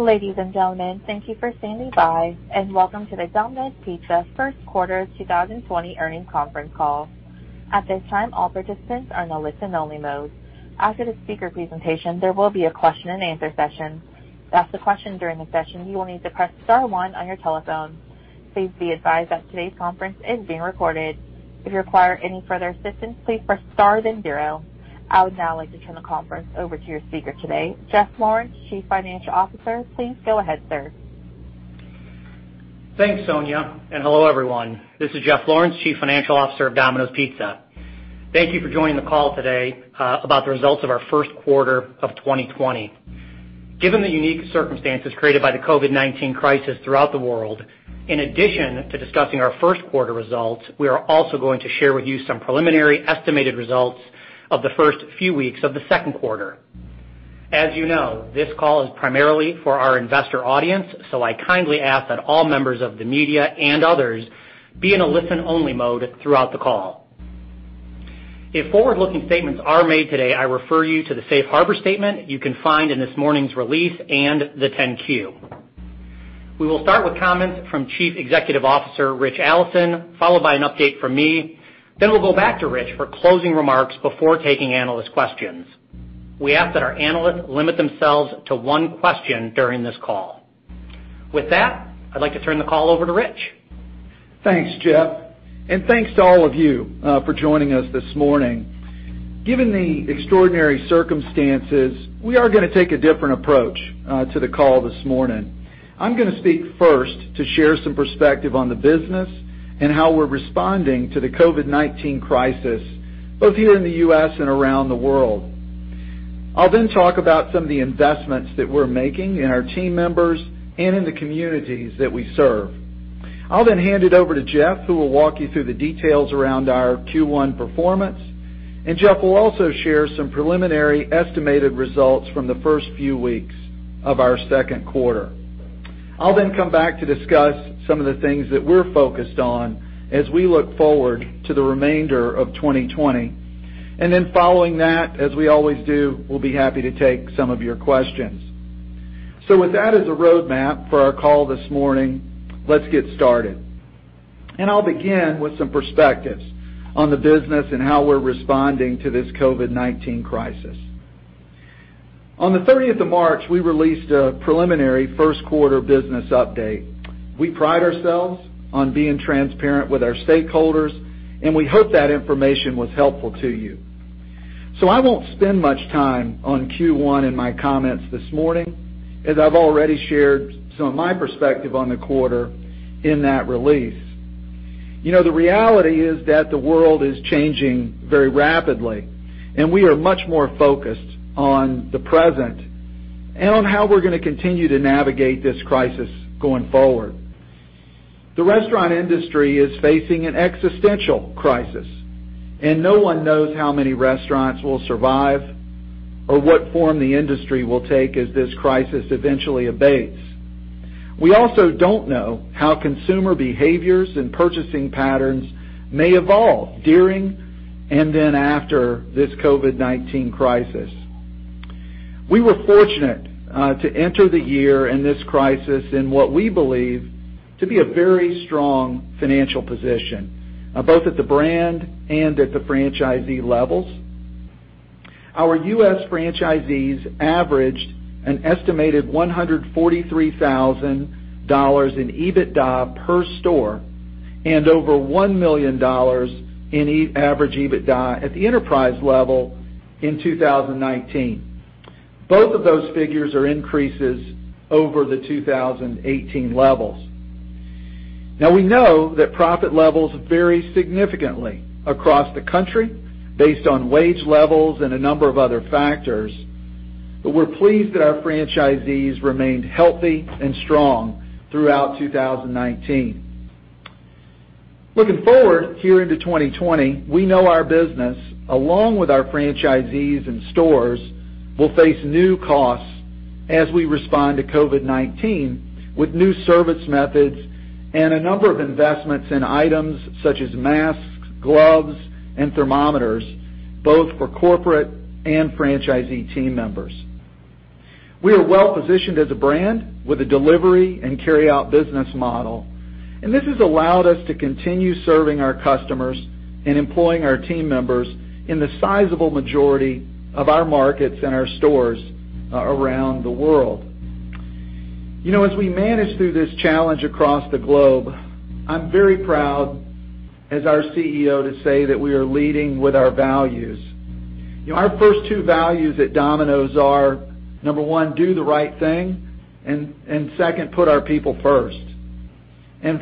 Ladies and gentlemen, thank you for standing by, and welcome to the Domino's Pizza first quarter 2020 earnings conference call. At this time, all participants are in a listen only mode. After the speaker presentation, there will be a question and answer session. To ask a question during the session, you will need to press star one on your telephone. Please be advised that today's conference is being recorded. If you require any further assistance, please press star then zero. I would now like to turn the conference over to your speaker today, Jeff Lawrence, Chief Financial Officer. Please go ahead, sir. Thanks, Sonia. Hello, everyone. This is Jeff Lawrence, Chief Financial Officer of Domino's Pizza. Thank you for joining the call today about the results of our first quarter of 2020. Given the unique circumstances created by the COVID-19 crisis throughout the world, in addition to discussing our first quarter results, we are also going to share with you some preliminary estimated results of the first few weeks of the second quarter. As you know, this call is primarily for our investor audience, so I kindly ask that all members of the media and others be in a listen only mode throughout the call. If forward-looking statements are made today, I refer you to the safe harbor statement you can find in this morning's release and the 10-Q. We will start with comments from Chief Executive Officer, Ritch Allison, followed by an update from me. We'll go back to Ritch for closing remarks before taking analyst questions. We ask that our analysts limit themselves to one question during this call. With that, I'd like to turn the call over to Ritch. Thanks, Jeff, thanks to all of you for joining us this morning. Given the extraordinary circumstances, we are going to take a different approach to the call this morning. I'm going to speak first to share some perspective on the business and how we're responding to the COVID-19 crisis, both here in the U.S. and around the world. I'll talk about some of the investments that we're making in our team members and in the communities that we serve. I'll hand it over to Jeff, who will walk you through the details around our Q1 performance. Jeff will also share some preliminary estimated results from the first few weeks of our second quarter. I'll come back to discuss some of the things that we're focused on as we look forward to the remainder of 2020. Following that, as we always do, we'll be happy to take some of your questions. With that as a roadmap for our call this morning, let's get started. I'll begin with some perspectives on the business and how we're responding to this COVID-19 crisis. On the 30th of March, we released a preliminary first quarter business update. We pride ourselves on being transparent with our stakeholders, and we hope that information was helpful to you. I won't spend much time on Q1 in my comments this morning, as I've already shared some of my perspective on the quarter in that release. The reality is that the world is changing very rapidly, and we are much more focused on the present and on how we're going to continue to navigate this crisis going forward. The restaurant industry is facing an existential crisis, and no one knows how many restaurants will survive or what form the industry will take as this crisis eventually abates. We also don't know how consumer behaviors and purchasing patterns may evolve during and then after this COVID-19 crisis. We were fortunate to enter the year and this crisis in what we believe to be a very strong financial position, both at the brand and at the franchisee levels. Our U.S. franchisees averaged an estimated $143,000 in EBITDA per store and over $1 million in average EBITDA at the enterprise level in 2019. Both of those figures are increases over the 2018 levels. We know that profit levels vary significantly across the country based on wage levels and a number of other factors. We're pleased that our franchisees remained healthy and strong throughout 2019. Looking forward here into 2020, we know our business, along with our franchisees and stores, will face new costs as we respond to COVID-19 with new service methods and a number of investments in items such as masks, gloves, and thermometers, both for corporate and franchisee team members. We are well positioned as a brand with a delivery and carryout business model. This has allowed us to continue serving our customers and employing our team members in the sizable majority of our markets and our stores around the world. As we manage through this challenge across the globe, I'm very proud as our CEO to say that we are leading with our values. Our first two values at Domino's are, number one, do the right thing, and second, put our people first.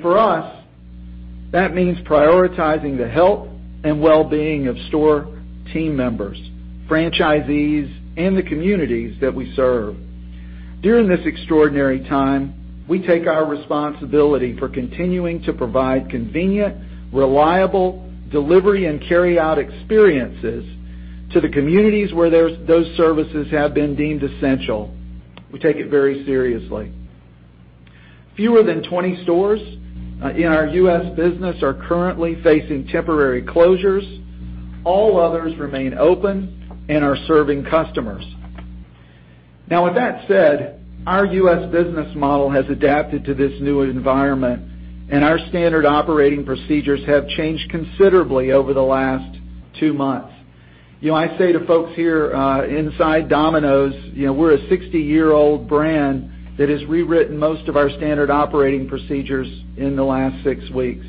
For us, that means prioritizing the health and well-being of store team members, franchisees, and the communities that we serve. During this extraordinary time, we take our responsibility for continuing to provide convenient, reliable delivery and carryout experiences to the communities where those services have been deemed essential. We take it very seriously. Fewer than 20 stores in our U.S. business are currently facing temporary closures. All others remain open and are serving customers. With that said, our U.S. business model has adapted to this new environment, and our standard operating procedures have changed considerably over the last two months. I say to folks here inside Domino's, we're a 60-year-old brand that has rewritten most of our standard operating procedures in the last six weeks.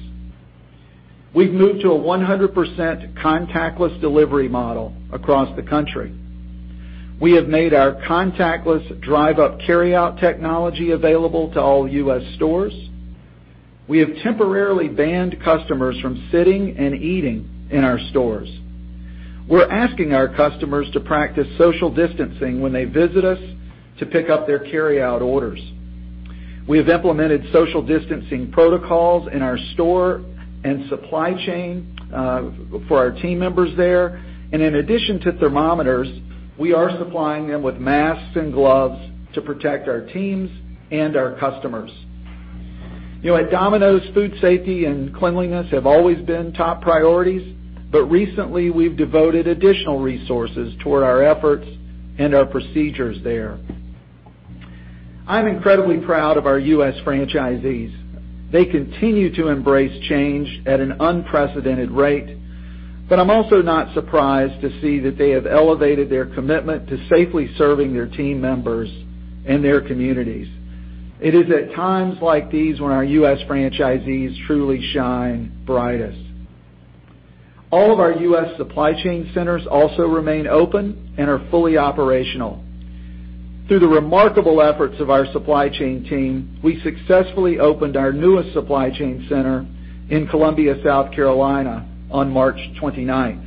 We've moved to a 100% contactless delivery model across the country. We have made our contactless drive-up carryout technology available to all U.S. stores. We have temporarily banned customers from sitting and eating in our stores. We're asking our customers to practice social distancing when they visit us to pick up their carryout orders. We have implemented social distancing protocols in our store and supply chain for our team members there. In addition to thermometers, we are supplying them with masks and gloves to protect our teams and our customers. At Domino's, food safety and cleanliness have always been top priorities, but recently we've devoted additional resources toward our efforts and our procedures there. I'm incredibly proud of our U.S. franchisees. They continue to embrace change at an unprecedented rate, but I'm also not surprised to see that they have elevated their commitment to safely serving their team members and their communities. It is at times like these when our U.S. franchisees truly shine brightest. All of our U.S. supply chain centers also remain open and are fully operational. Through the remarkable efforts of our supply chain team, we successfully opened our newest supply chain center in Columbia, South Carolina on March 29th.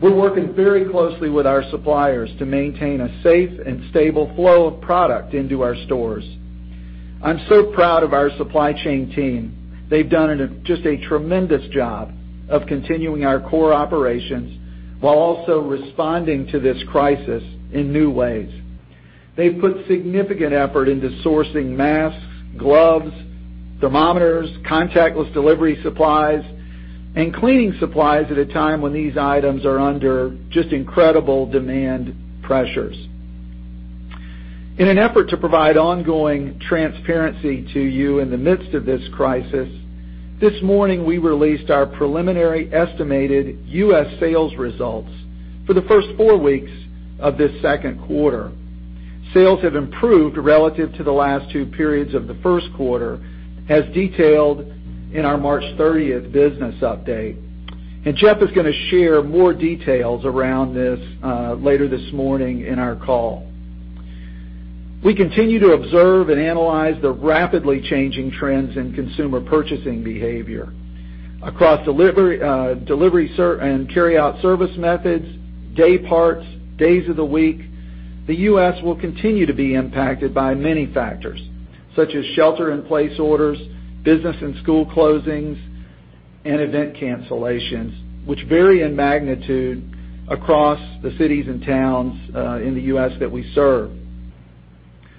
We're working very closely with our suppliers to maintain a safe and stable flow of product into our stores. I'm so proud of our supply chain team. They've done just a tremendous job of continuing our core operations while also responding to this crisis in new ways. They've put significant effort into sourcing masks, gloves, thermometers, contactless delivery supplies, and cleaning supplies at a time when these items are under just incredible demand pressures. In an effort to provide ongoing transparency to you in the midst of this crisis, this morning we released our preliminary estimated U.S. sales results for the first four weeks of this second quarter. Sales have improved relative to the last two periods of the first quarter, as detailed in our March 30th business update. Jeff is going to share more details around this later this morning in our call. We continue to observe and analyze the rapidly changing trends in consumer purchasing behavior. Across delivery and carryout service methods, day parts, days of the week, the U.S. will continue to be impacted by many factors, such as shelter in place orders, business and school closings, and event cancellations, which vary in magnitude across the cities and towns in the U.S. that we serve.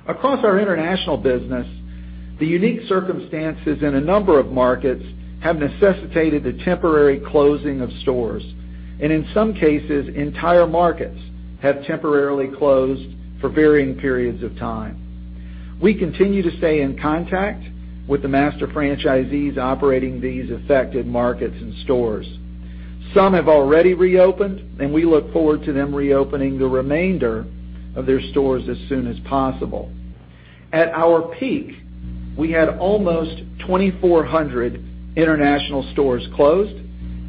Across our international business, the unique circumstances in a number of markets have necessitated the temporary closing of stores. In some cases, entire markets have temporarily closed for varying periods of time. We continue to stay in contact with the master franchisees operating these affected markets and stores. Some have already reopened, and we look forward to them reopening the remainder of their stores as soon as possible. At our peak, we had almost 2,400 international stores closed,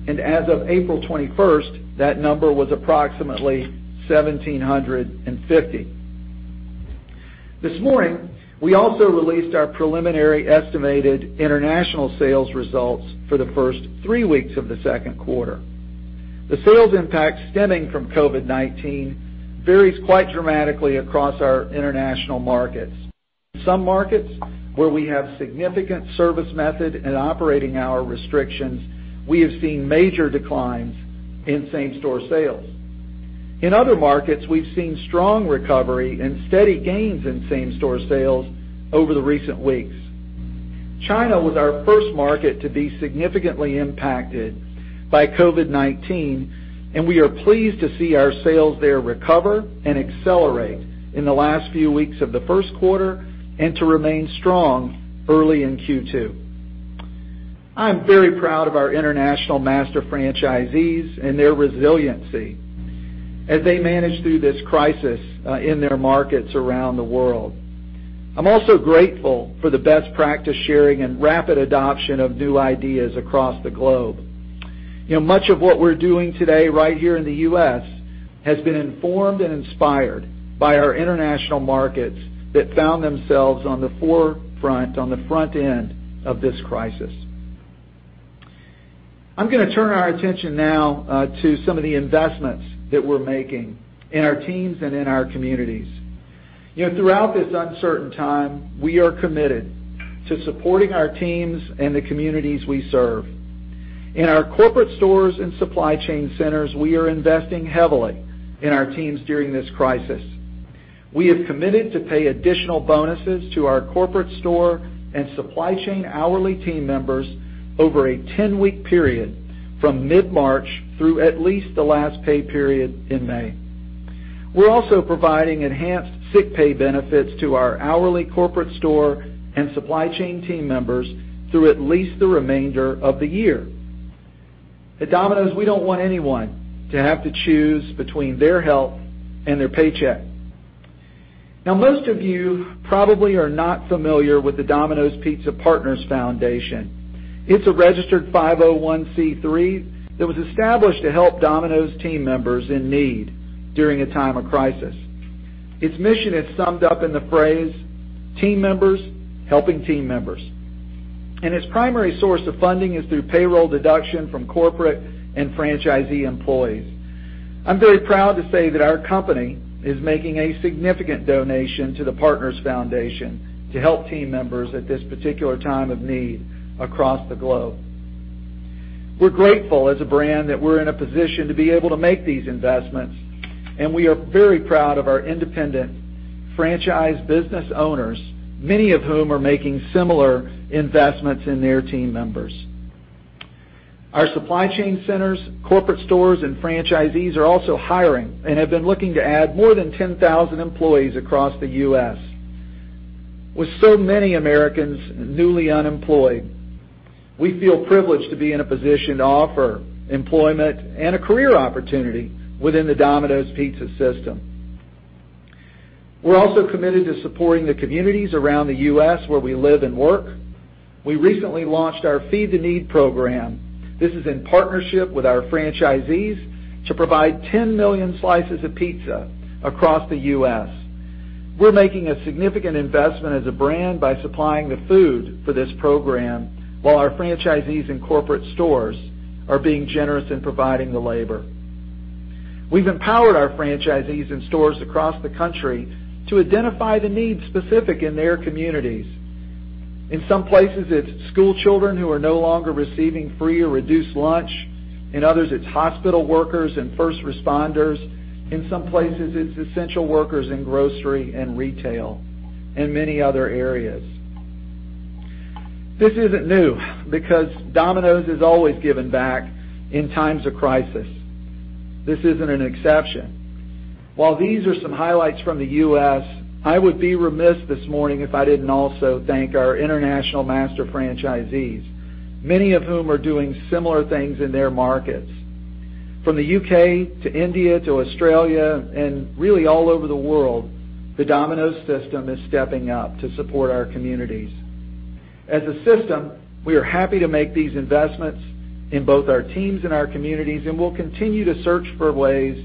and as of April 21st, that number was approximately 1,750. This morning, we also released our preliminary estimated international sales results for the first three weeks of the second quarter. The sales impact stemming from COVID-19 varies quite dramatically across our international markets. Some markets, where we have significant service method and operating hour restrictions, we have seen major declines in same-store sales. In other markets, we've seen strong recovery and steady gains in same-store sales over the recent weeks. China was our first market to be significantly impacted by COVID-19, and we are pleased to see our sales there recover and accelerate in the last few weeks of the first quarter and to remain strong early in Q2. I am very proud of our international master franchisees and their resiliency as they manage through this crisis in their markets around the world. I'm also grateful for the best practice sharing and rapid adoption of new ideas across the globe. Much of what we're doing today right here in the U.S. has been informed and inspired by our international markets that found themselves on the forefront, on the front end of this crisis. I'm going to turn our attention now to some of the investments that we're making in our teams and in our communities. Throughout this uncertain time, we are committed to supporting our teams and the communities we serve. In our corporate stores and supply chain centers, we are investing heavily in our teams during this crisis. We have committed to pay additional bonuses to our corporate store and supply chain hourly team members over a 10-week period from mid-March through at least the last pay period in May. We're also providing enhanced sick pay benefits to our hourly corporate store and supply chain team members through at least the remainder of the year. At Domino's, we don't want anyone to have to choose between their health and their paycheck. Now, most of you probably are not familiar with the Domino's Pizza Partners Foundation. It's a registered 501(c)(3) that was established to help Domino's team members in need during a time of crisis. Its mission is summed up in the phrase, "Team members helping team members." Its primary source of funding is through payroll deduction from corporate and franchisee employees. I'm very proud to say that our company is making a significant donation to the Partners Foundation to help team members at this particular time of need across the globe. We're grateful, as a brand, that we're in a position to be able to make these investments, and we are very proud of our independent franchise business owners, many of whom are making similar investments in their team members. Our supply chain centers, corporate stores, and franchisees are also hiring and have been looking to add more than 10,000 employees across the U.S. With so many Americans newly unemployed, we feel privileged to be in a position to offer employment and a career opportunity within the Domino's Pizza system. We're also committed to supporting the communities around the U.S. where we live and work. We recently launched our Feed the Need program. This is in partnership with our franchisees to provide 10 million slices of pizza across the U.S. We're making a significant investment as a brand by supplying the food for this program, while our franchisees and corporate stores are being generous in providing the labor. We've empowered our franchisees and stores across the country to identify the needs specific in their communities. In some places, it's schoolchildren who are no longer receiving free or reduced lunch. In others, it's hospital workers and first responders. In some places, it's essential workers in grocery and retail, and many other areas. This isn't new because Domino's has always given back in times of crisis. This isn't an exception. While these are some highlights from the U.S., I would be remiss this morning if I didn't also thank our international master franchisees, many of whom are doing similar things in their markets. From the U.K. to India to Australia, really all over the world, the Domino's system is stepping up to support our communities. As a system, we are happy to make these investments in both our teams and our communities. We'll continue to search for ways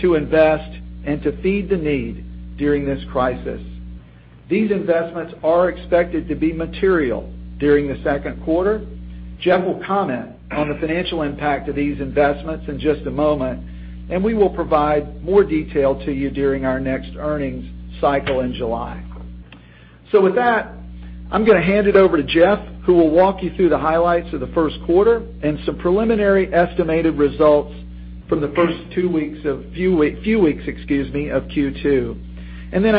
to invest and to Feed the Need during this crisis. These investments are expected to be material during the second quarter. Jeff will comment on the financial impact of these investments in just a moment. We will provide more detail to you during our next earnings cycle in July. With that, I'm going to hand it over to Jeff, who will walk you through the highlights of the first quarter and some preliminary estimated results from the first two weeks of Q2.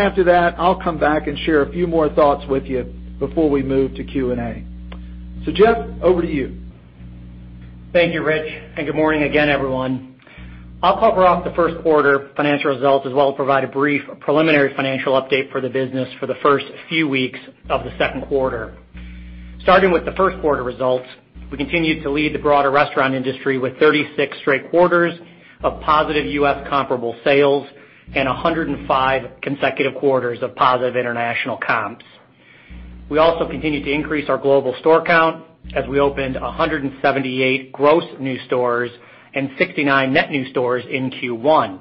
After that, I'll come back and share a few more thoughts with you before we move to Q&A. Jeff, over to you. Thank you, Ritch, Good morning again, everyone. I'll cover off the first quarter financial results, as well as provide a brief preliminary financial update for the business for the first few weeks of the second quarter. Starting with the first quarter results, we continued to lead the broader restaurant industry with 36 straight quarters of positive U.S. comparable sales and 105 consecutive quarters of positive international comps. We also continued to increase our global store count as we opened 178 gross new stores and 69 net new stores in Q1.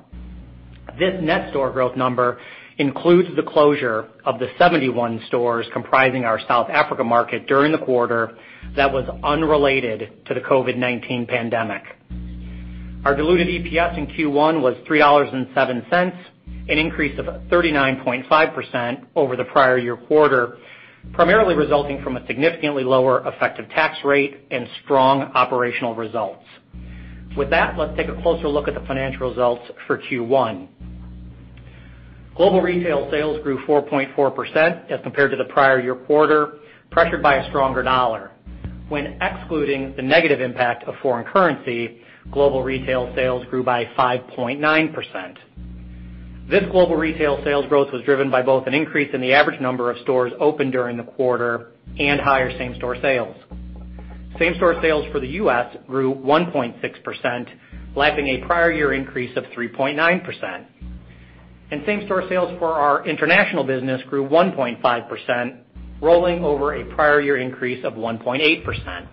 This net store growth number includes the closure of the 71 stores comprising our South Africa market during the quarter that was unrelated to the COVID-19 pandemic. Our diluted EPS in Q1 was $3.07, an increase of 39.5% over the prior year quarter, primarily resulting from a significantly lower effective tax rate and strong operational results. With that, let's take a closer look at the financial results for Q1. Global retail sales grew 4.4% as compared to the prior year quarter, pressured by a stronger dollar. When excluding the negative impact of foreign currency, global retail sales grew by 5.9%. This global retail sales growth was driven by both an increase in the average number of stores open during the quarter and higher same-store sales. Same-store sales for the U.S. grew 1.6%, lapping a prior year increase of 3.9%. Same-store sales for our international business grew 1.5%, rolling over a prior year increase of 1.8%.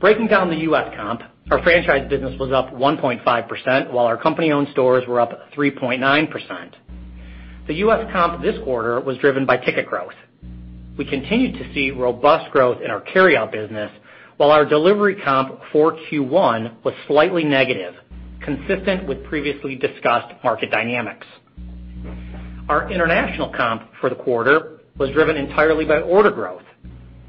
Breaking down the U.S. comp, our franchise business was up 1.5%, while our company-owned stores were up 3.9%. The U.S. comp this quarter was driven by ticket growth. We continued to see robust growth in our carryout business, while our delivery comp for Q1 was slightly negative, consistent with previously discussed market dynamics. Our international comp for the quarter was driven entirely by order growth.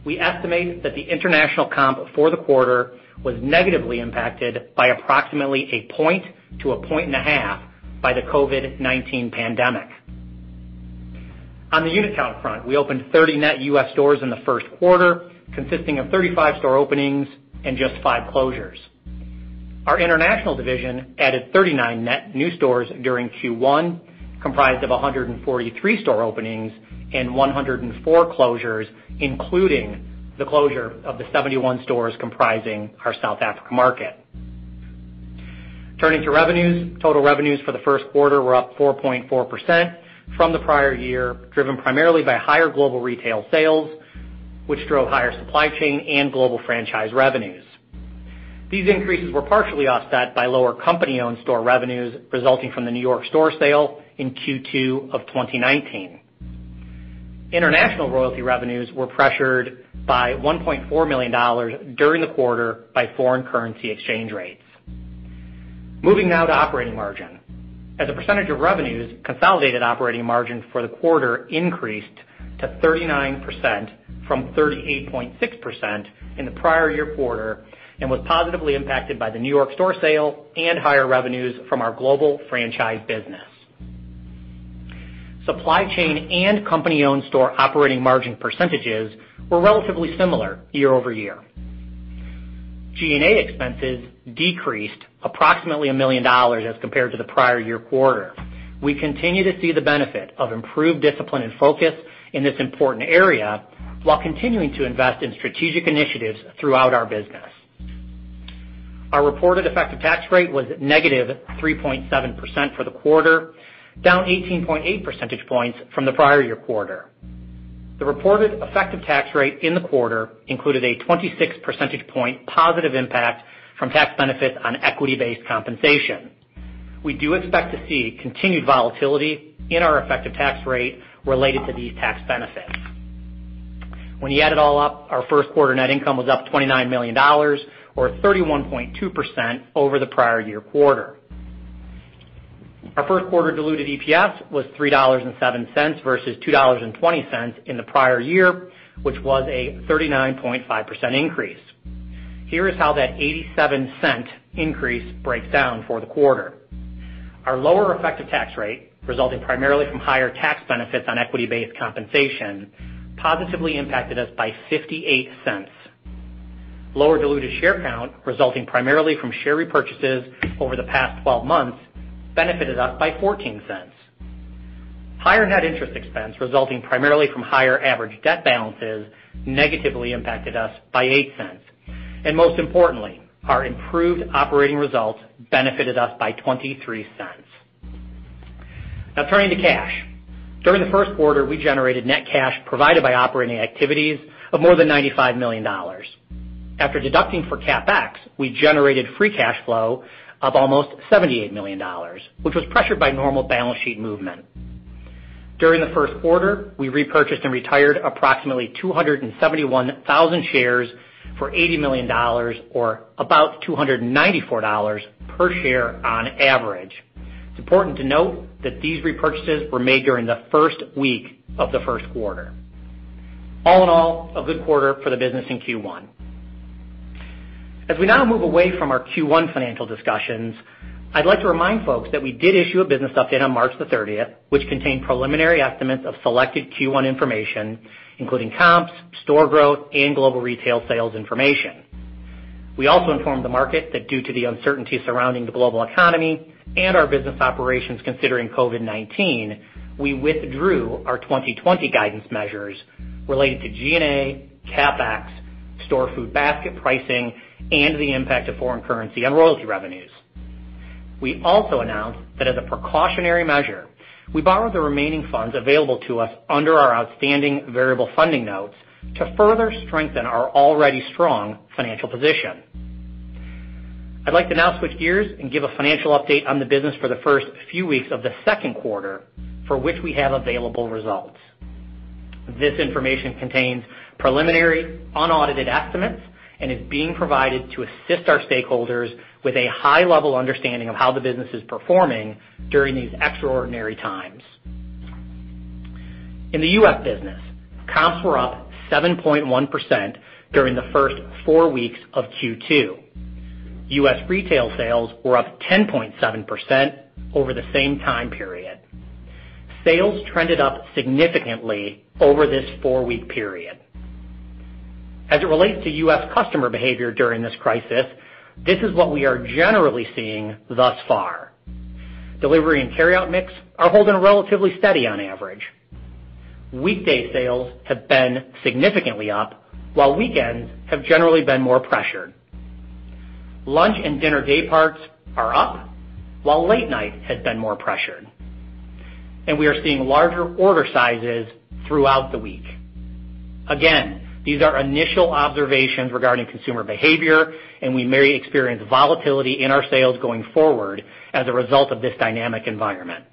We estimate that the international comp for the quarter was negatively impacted by approximately a point to a point and a half by the COVID-19 pandemic. On the unit count front, we opened 30 net U.S. stores in the first quarter, consisting of 35 store openings and just five closures. Our international division added 39 net new stores during Q1, comprised of 143 store openings and 104 closures, including the closure of the 71 stores comprising our South Africa market. Turning to revenues. Total revenues for the first quarter were up 4.4% from the prior year, driven primarily by higher global retail sales, which drove higher supply chain and global franchise revenues. These increases were partially offset by lower company-owned store revenues, resulting from the New York store sale in Q2 of 2019. International royalty revenues were pressured by $1.4 million during the quarter by foreign currency exchange rates. Moving now to operating margin. As a percentage of revenues, consolidated operating margin for the quarter increased to 39% from 38.6% in the prior year quarter and was positively impacted by the New York store sale and higher revenues from our global franchise business. Supply chain and company-owned store operating margin percentages were relatively similar year-over-year. G&A expenses decreased approximately $1 million as compared to the prior year quarter. We continue to see the benefit of improved discipline and focus in this important area while continuing to invest in strategic initiatives throughout our business. Our reported effective tax rate was -3.7% for the quarter, down 18.8 percentage points from the prior year quarter. The reported effective tax rate in the quarter included a 26 percentage point positive impact from tax benefits on equity-based compensation. We do expect to see continued volatility in our effective tax rate related to these tax benefits. When you add it all up, our first quarter net income was up $29 million or 31.2% over the prior year quarter. Our first quarter diluted EPS was $3.07 versus $2.20 in the prior year, which was a 39.5% increase. Here is how that $0.87 increase breaks down for the quarter. Our lower effective tax rate, resulting primarily from higher tax benefits on equity-based compensation, positively impacted us by $0.58. Lower diluted share count resulting primarily from share repurchases over the past 12 months benefited us by $0.14. Higher net interest expense resulting primarily from higher average debt balances negatively impacted us by $0.08. Most importantly, our improved operating results benefited us by $0.23. Now turning to cash. During the first quarter, we generated net cash provided by operating activities of more than $95 million. After deducting for CapEx, we generated free cash flow of almost $78 million, which was pressured by normal balance sheet movement. During the first quarter, we repurchased and retired approximately 271,000 shares for $80 million or about $294 per share on average. It's important to note that these repurchases were made during the first week of the first quarter. All in all, a good quarter for the business in Q1. As we now move away from our Q1 financial discussions, I'd like to remind folks that we did issue a business update on March 30th, which contained preliminary estimates of selected Q1 information, including comps, store growth, and global retail sales information. We also informed the market that due to the uncertainty surrounding the global economy and our business operations considering COVID-19, we withdrew our 2020 guidance measures related to G&A, CapEx, store food basket pricing, and the impact of foreign currency on royalty revenues. We also announced that as a precautionary measure, we borrowed the remaining funds available to us under our outstanding variable funding notes to further strengthen our already strong financial position. I'd like to now switch gears and give a financial update on the business for the first few weeks of the second quarter for which we have available results. This information contains preliminary, unaudited estimates and is being provided to assist our stakeholders with a high level understanding of how the business is performing during these extraordinary times. In the U.S. business, comps were up 7.1% during the first four weeks of Q2. U.S. retail sales were up 10.7% over the same time period. Sales trended up significantly over this four-week period. As it relates to U.S. customer behavior during this crisis, this is what we are generally seeing thus far. Delivery and carryout mix are holding relatively steady on average. Weekday sales have been significantly up, while weekends have generally been more pressured. Lunch and dinner day parts are up, while late night has been more pressured. We are seeing larger order sizes throughout the week. Again, these are initial observations regarding consumer behavior, and we may experience volatility in our sales going forward as a result of this dynamic environment.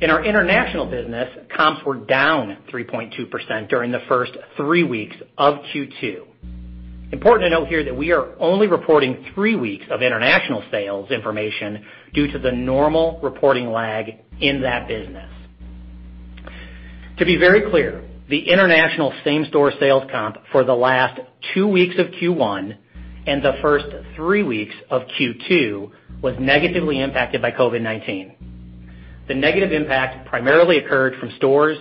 In our international business, comps were down 3.2% during the first three weeks of Q2. Important to note here that we are only reporting three weeks of international sales information due to the normal reporting lag in that business. To be very clear, the international same-store sales comp for the last two weeks of Q1 and the first three weeks of Q2 was negatively impacted by COVID-19. The negative impact primarily occurred from stores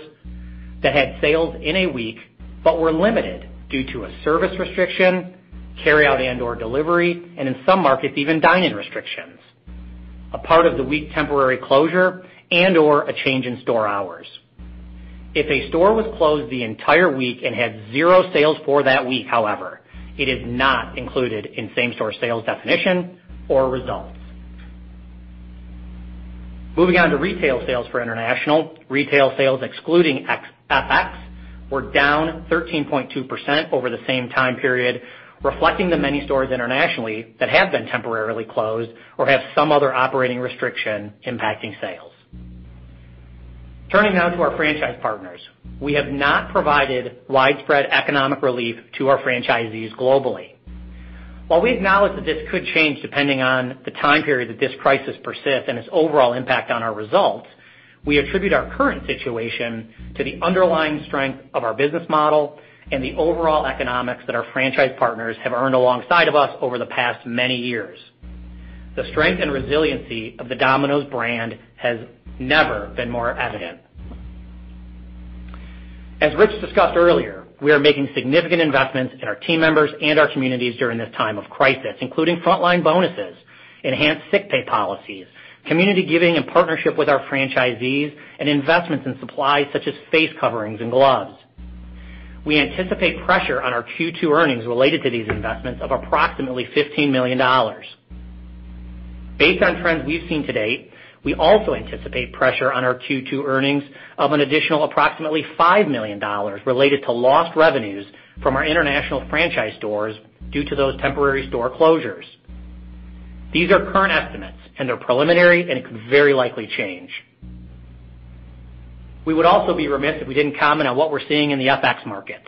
that had sales in a week, but were limited due to a service restriction, carryout and/or delivery, and in some markets, even dine-in restrictions, a part of the week temporary closure, and or a change in store hours. If a store was closed the entire week and had zero sales for that week, however, it is not included in same-store sales definition or results. Moving on to retail sales for international. Retail sales excluding FX were down 13.2% over the same time period, reflecting the many stores internationally that have been temporarily closed or have some other operating restriction impacting sales. Turning now to our franchise partners. We have not provided widespread economic relief to our franchisees globally. While we acknowledge that this could change depending on the time period that this crisis persists and its overall impact on our results, we attribute our current situation to the underlying strength of our business model and the overall economics that our franchise partners have earned alongside of us over the past many years. The strength and resiliency of the Domino's brand has never been more evident. As Ritch discussed earlier, we are making significant investments in our team members and our communities during this time of crisis, including frontline bonuses, enhanced sick pay policies, community giving and partnership with our franchisees, and investments in supplies such as face coverings and gloves. We anticipate pressure on our Q2 earnings related to these investments of approximately $15 million. Based on trends we've seen to date, we also anticipate pressure on our Q2 earnings of an additional approximately $5 million related to lost revenues from our international franchise stores due to those temporary store closures. These are current estimates, and they're preliminary and could very likely change. We would also be remiss if we didn't comment on what we're seeing in the FX markets.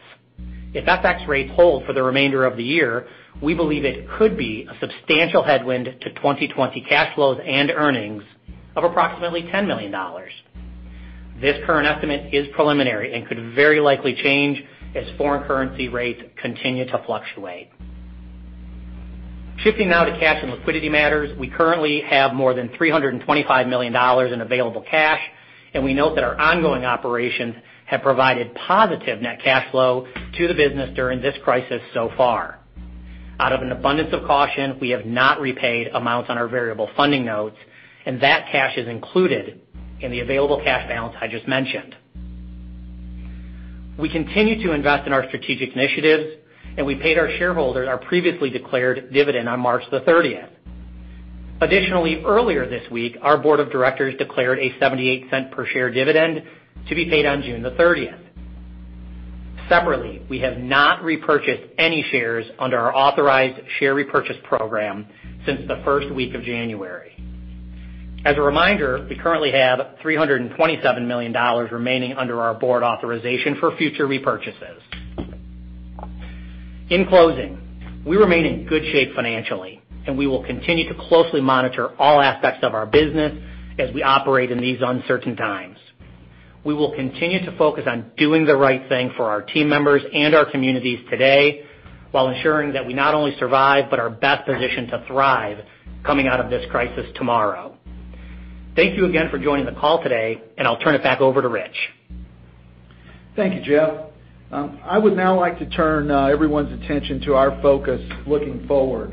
If FX rates hold for the remainder of the year, we believe it could be a substantial headwind to 2020 cash flows and earnings of approximately $10 million. This current estimate is preliminary and could very likely change as foreign currency rates continue to fluctuate. Shifting now to cash and liquidity matters, we currently have more than $325 million in available cash, and we note that our ongoing operations have provided positive net cash flow to the business during this crisis so far. Out of an abundance of caution, we have not repaid amounts on our variable funding notes, and that cash is included in the available cash balance I just mentioned. We continue to invest in our strategic initiatives, and we paid our shareholders our previously declared dividend on March the 30th. Additionally, earlier this week, our board of directors declared a $0.78 per share dividend to be paid on June 30th. Separately, we have not repurchased any shares under our authorized share repurchase program since the first week of January. As a reminder, we currently have $327 million remaining under our board authorization for future repurchases. In closing, we remain in good shape financially. We will continue to closely monitor all aspects of our business as we operate in these uncertain times. We will continue to focus on doing the right thing for our team members and our communities today, while ensuring that we not only survive, but are best positioned to thrive coming out of this crisis tomorrow. Thank you again for joining the call today. I'll turn it back over to Ritch. Thank you, Jeff. I would now like to turn everyone's attention to our focus looking forward.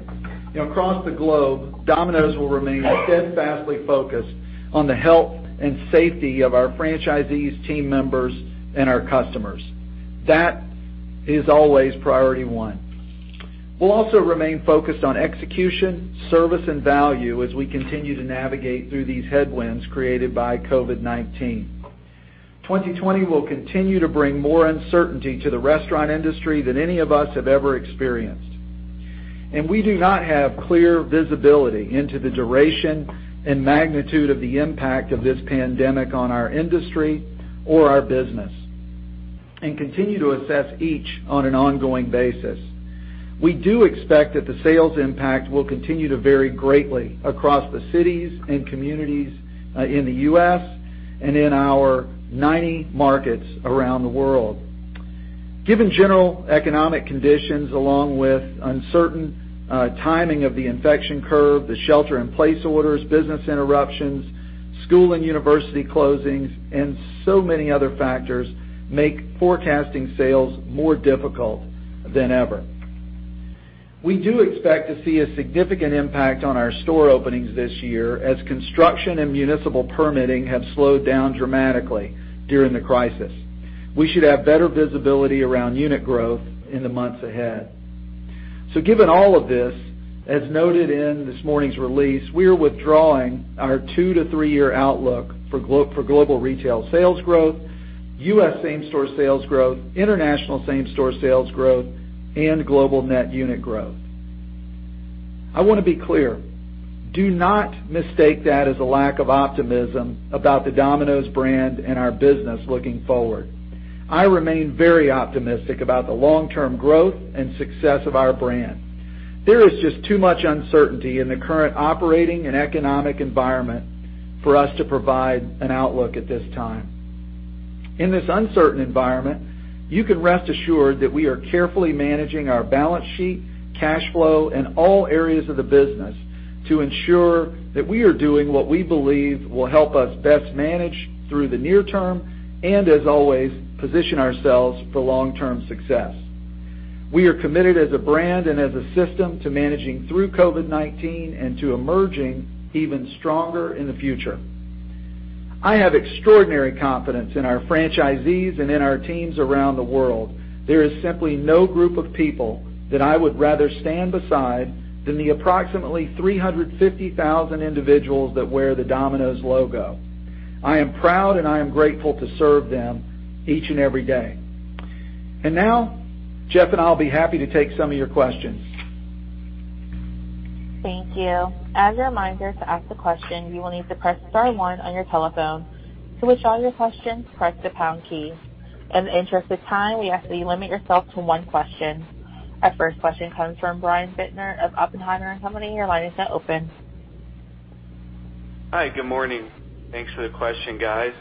Across the globe, Domino's will remain steadfastly focused on the health and safety of our franchisees, team members, and our customers. That is always priority one. We'll also remain focused on execution, service, and value as we continue to navigate through these headwinds created by COVID-19. 2020 will continue to bring more uncertainty to the restaurant industry than any of us have ever experienced. We do not have clear visibility into the duration and magnitude of the impact of this pandemic on our industry or our business and continue to assess each on an ongoing basis. We do expect that the sales impact will continue to vary greatly across the cities and communities in the U.S. and in our 90 markets around the world. Given general economic conditions, along with uncertain timing of the infection curve, the shelter in place orders, business interruptions, school and university closings, and so many other factors make forecasting sales more difficult than ever. We do expect to see a significant impact on our store openings this year as construction and municipal permitting have slowed down dramatically during the crisis. We should have better visibility around unit growth in the months ahead. Given all of this, as noted in this morning's release, we are withdrawing our two to three-year outlook for global retail sales growth, U.S. same-store sales growth, international same-store sales growth, and global net unit growth. I want to be clear, do not mistake that as a lack of optimism about the Domino's brand and our business looking forward. I remain very optimistic about the long-term growth and success of our brand. There is just too much uncertainty in the current operating and economic environment for us to provide an outlook at this time. In this uncertain environment, you can rest assured that we are carefully managing our balance sheet, cash flow, and all areas of the business to ensure that we are doing what we believe will help us best manage through the near term and, as always, position ourselves for long-term success. We are committed as a brand and as a system to managing through COVID-19 and to emerging even stronger in the future. I have extraordinary confidence in our franchisees and in our teams around the world. There is simply no group of people that I would rather stand beside than the approximately 350,000 individuals that wear the Domino's logo. I am proud and I am grateful to serve them each and every day. Now, Jeff and I will be happy to take some of your questions. Thank you. As a reminder, to ask a question, you will need to press star one on your telephone. To withdraw your questions, press the pound key. In the interest of time, we ask that you limit yourself to one question. Our first question comes from Brian Bittner of Oppenheimer. Your line is now open. Hi, good morning. Thanks for the question, guys.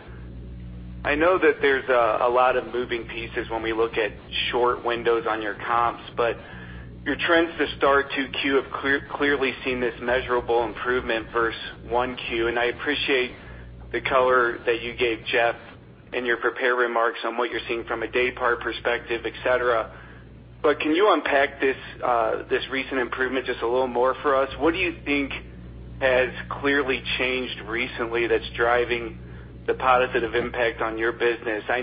I know that there's a lot of moving pieces when we look at short windows on your comps, your trends to start 2Q have clearly seen this measurable improvement versus 1Q. I appreciate the color that you gave, Jeff, in your prepared remarks on what you're seeing from a day part perspective, et cetera. Can you unpack this recent improvement just a little more for us? What do you think has clearly changed recently that's driving the positive impact on your business? I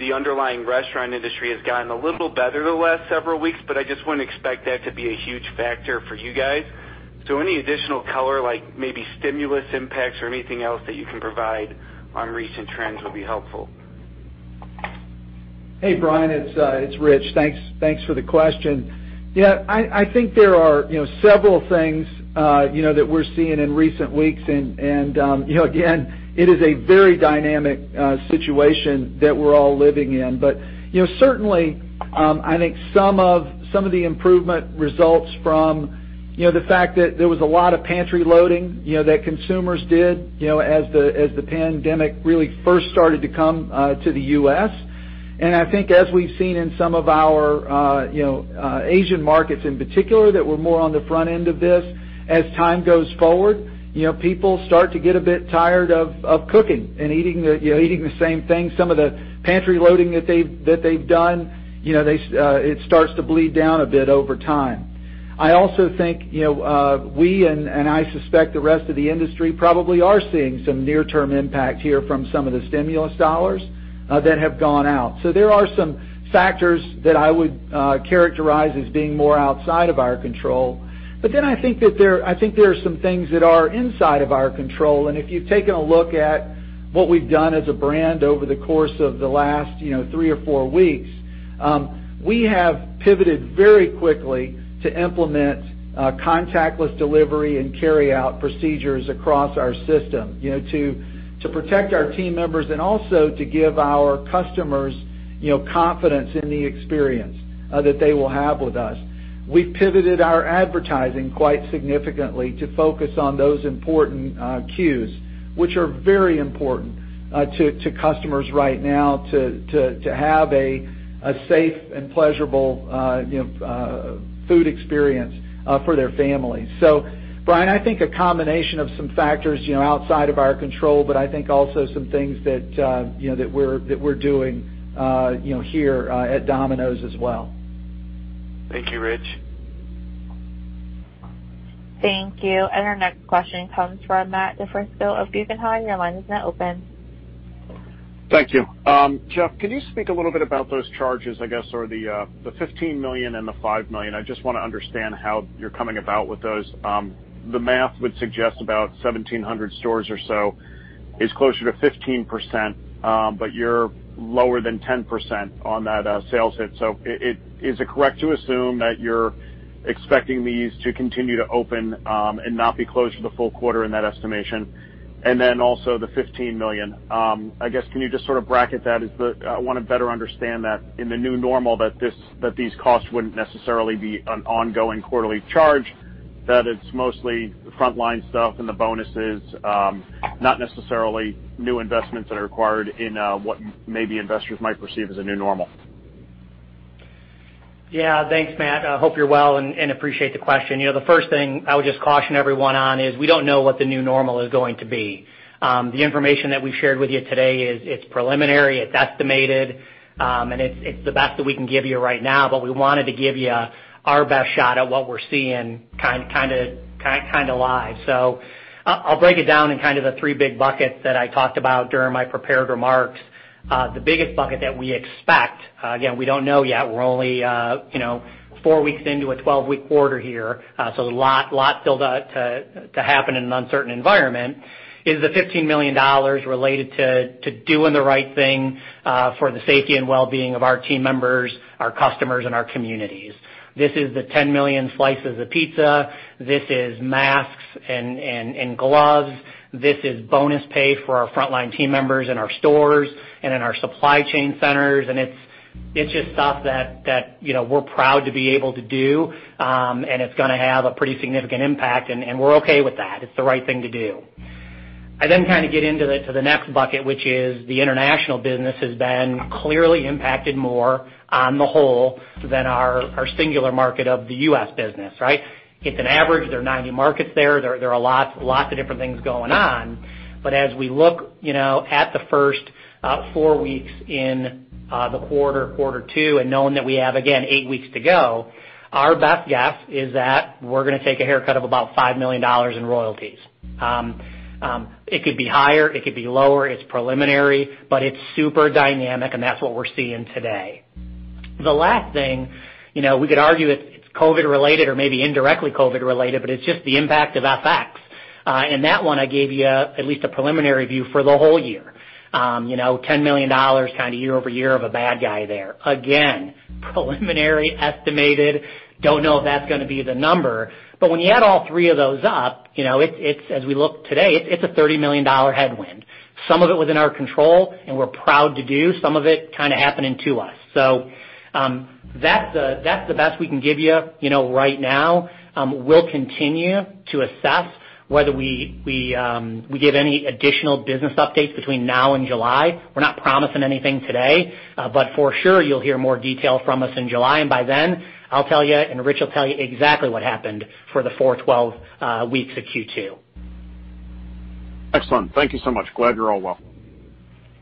know the underlying restaurant industry has gotten a little better the last several weeks, but I just wouldn't expect that to be a huge factor for you guys. Any additional color, like maybe stimulus impacts or anything else that you can provide on recent trends would be helpful. Hey, Brian, it's Ritch. Thanks for the question. Yeah, I think there are several things that we're seeing in recent weeks, and again, it is a very dynamic situation that we're all living in. Certainly, I think some of the improvement results from the fact that there was a lot of pantry loading that consumers did as the pandemic really first started to come to the U.S. I think as we've seen in some of our Asian markets in particular, that we're more on the front end of this. As time goes forward, people start to get a bit tired of cooking and eating the same thing. Some of the pantry loading that they've done, it starts to bleed down a bit over time. I also think we, and I suspect the rest of the industry probably are seeing some near-term impact here from some of the stimulus dollars that have gone out. There are some factors that I would characterize as being more outside of our control. I think there are some things that are inside of our control, and if you've taken a look at what we've done as a brand over the course of the last three or four weeks, we have pivoted very quickly to implement contactless delivery and carry out procedures across our system to protect our team members and also to give our customers confidence in the experience that they will have with us. We've pivoted our advertising quite significantly to focus on those important cues, which are very important to customers right now to have a safe and pleasurable food experience for their families. Brian, I think a combination of some factors outside of our control, but I think also some things that we're doing here at Domino's as well. Thank you, Ritch. Thank you. Our next question comes from Matt DiFrisco of Guggenheim. Your line is now open. Thank you. Jeff, can you speak a little bit about those charges, I guess, or the $15 million and the $5 million? I just want to understand how you're coming about with those. The math would suggest about 1,700 stores or so is closer to 15%, but you're lower than 10% on that sales hit. Is it correct to assume that you're expecting these to continue to open and not be closed for the full quarter in that estimation? Also the $15 million, I guess, can you just sort of bracket that? I want to better understand that in the new normal that these costs wouldn't necessarily be an ongoing quarterly charge, that it's mostly the frontline stuff and the bonuses, not necessarily new investments that are required in what maybe investors might perceive as a new normal. Thanks, Matt. I hope you're well and appreciate the question. The first thing I would just caution everyone on is we don't know what the new normal is going to be. The information that we've shared with you today is it's preliminary, it's estimated, and it's the best that we can give you right now. We wanted to give you our best shot at what we're seeing kind of live. I'll break it down in kind of the three big buckets that I talked about during my prepared remarks. The biggest bucket that we expect, again, we don't know yet. We're only four weeks into a 12-week quarter here, a lot still to happen in an uncertain environment. Is the $15 million related to doing the right thing for the safety and well-being of our team members, our customers, and our communities. This is the 10 million slices of pizza. This is masks and gloves. This is bonus pay for our frontline team members in our stores and in our supply chain centers. It's just stuff that we're proud to be able to do, and it's going to have a pretty significant impact, and we're okay with that. It's the right thing to do. I kind of get into it to the next bucket, which is the international business has been clearly impacted more on the whole than our singular market of the U.S. business, right? It's an average. There are 90 markets there. There are lots of different things going on. As we look at the first four weeks in the quarter two, and knowing that we have, again, eight weeks to go, our best guess is that we're going to take a haircut of about $5 million in royalties. It could be higher, it could be lower. It's preliminary, but it's super dynamic, and that's what we're seeing today. The last thing, we could argue it's COVID related or maybe indirectly COVID related, but it's just the impact of FX. That one I gave you at least a preliminary view for the whole year. $10 million kind of year-over-year of a bad guy there. Again, preliminary estimated, don't know if that's going to be the number. When you add all three of those up, as we look today, it's a $30 million headwind. Some of it was in our control and we're proud to do, some of it kind of happening to us. That's the best we can give you right now. We'll continue to assess whether we give any additional business updates between now and July. We're not promising anything today. For sure, you'll hear more detail from us in July. By then, I'll tell you, and Ritch will tell you exactly what happened for the four, 12 weeks of Q2. Excellent. Thank you so much. Glad you're all well.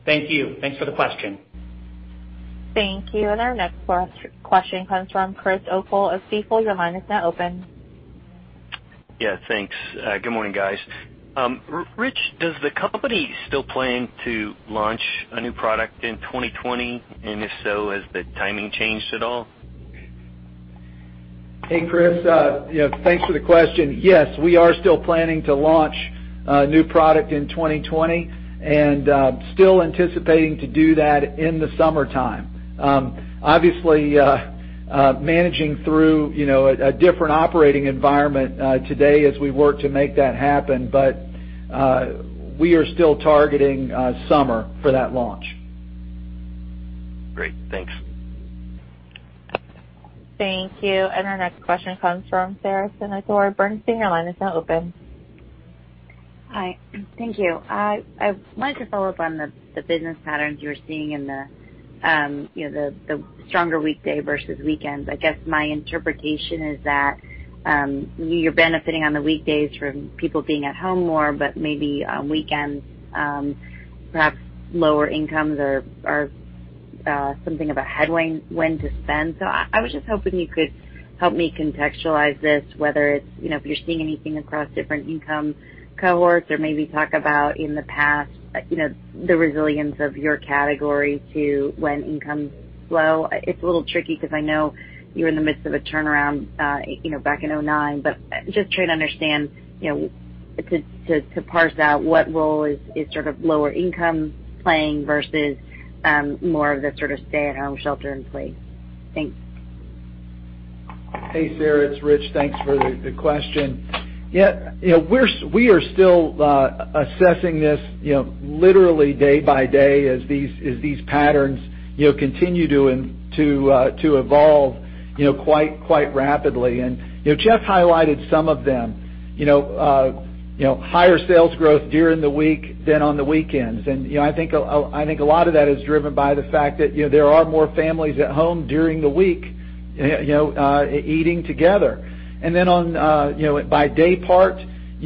Thank you. Thanks for the question. Thank you. Our next question comes from Chris O'Cull of Stifel. Your line is now open. Yeah, thanks. Good morning, guys. Ritch, does the company still plan to launch a new product in 2020? If so, has the timing changed at all? Hey, Chris. Thanks for the question. Yes, we are still planning to launch a new product in 2020 and still anticipating to do that in the summertime. Obviously, managing through a different operating environment today as we work to make that happen. We are still targeting summer for that launch. Great. Thanks. Thank you. Our next question comes from Sara Senatore, Bernstein. Your line is now open. Hi. Thank you. I wanted to follow up on the business patterns you were seeing in the stronger weekday versus weekends. I guess my interpretation is that you're benefiting on the weekdays from people being at home more, but maybe on weekends, perhaps lower incomes are something of a headwind when to spend. I was just hoping you could help me contextualize this, whether if you're seeing anything across different income cohorts or maybe talk about in the past, the resilience of your category to when incomes slow. It's a little tricky because I know you're in the midst of a turnaround back in 2009, but just trying to understand to parse out what role is sort of lower income playing versus more of the sort of stay at home shelter in place. Thanks. Hey, Sara, it's Ritch. Thanks for the question. We are still assessing this literally day by day as these patterns continue to evolve quite rapidly. Jeffrey highlighted some of them. Higher sales growth during the week than on the weekends. I think a lot of that is driven by the fact that there are more families at home during the week eating together. By day part,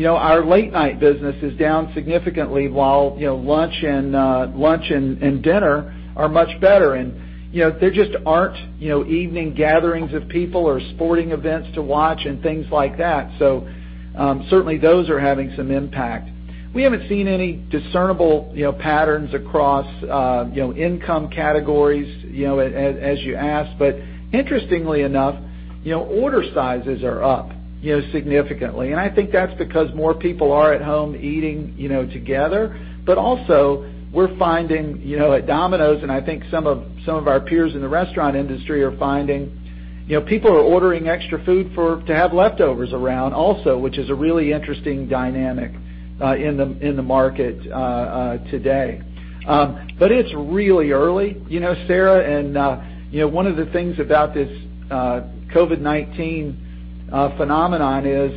our late night business is down significantly while lunch and dinner are much better. There just aren't evening gatherings of people or sporting events to watch and things like that. Certainly those are having some impact. We haven't seen any discernible patterns across income categories as you asked. Interestingly enough, order sizes are up significantly. I think that's because more people are at home eating together. Also, we're finding at Domino's, and I think some of our peers in the restaurant industry are finding people are ordering extra food to have leftovers around also, which is a really interesting dynamic in the market today. It's really early, Sara, and one of the things about this COVID-19 phenomenon is,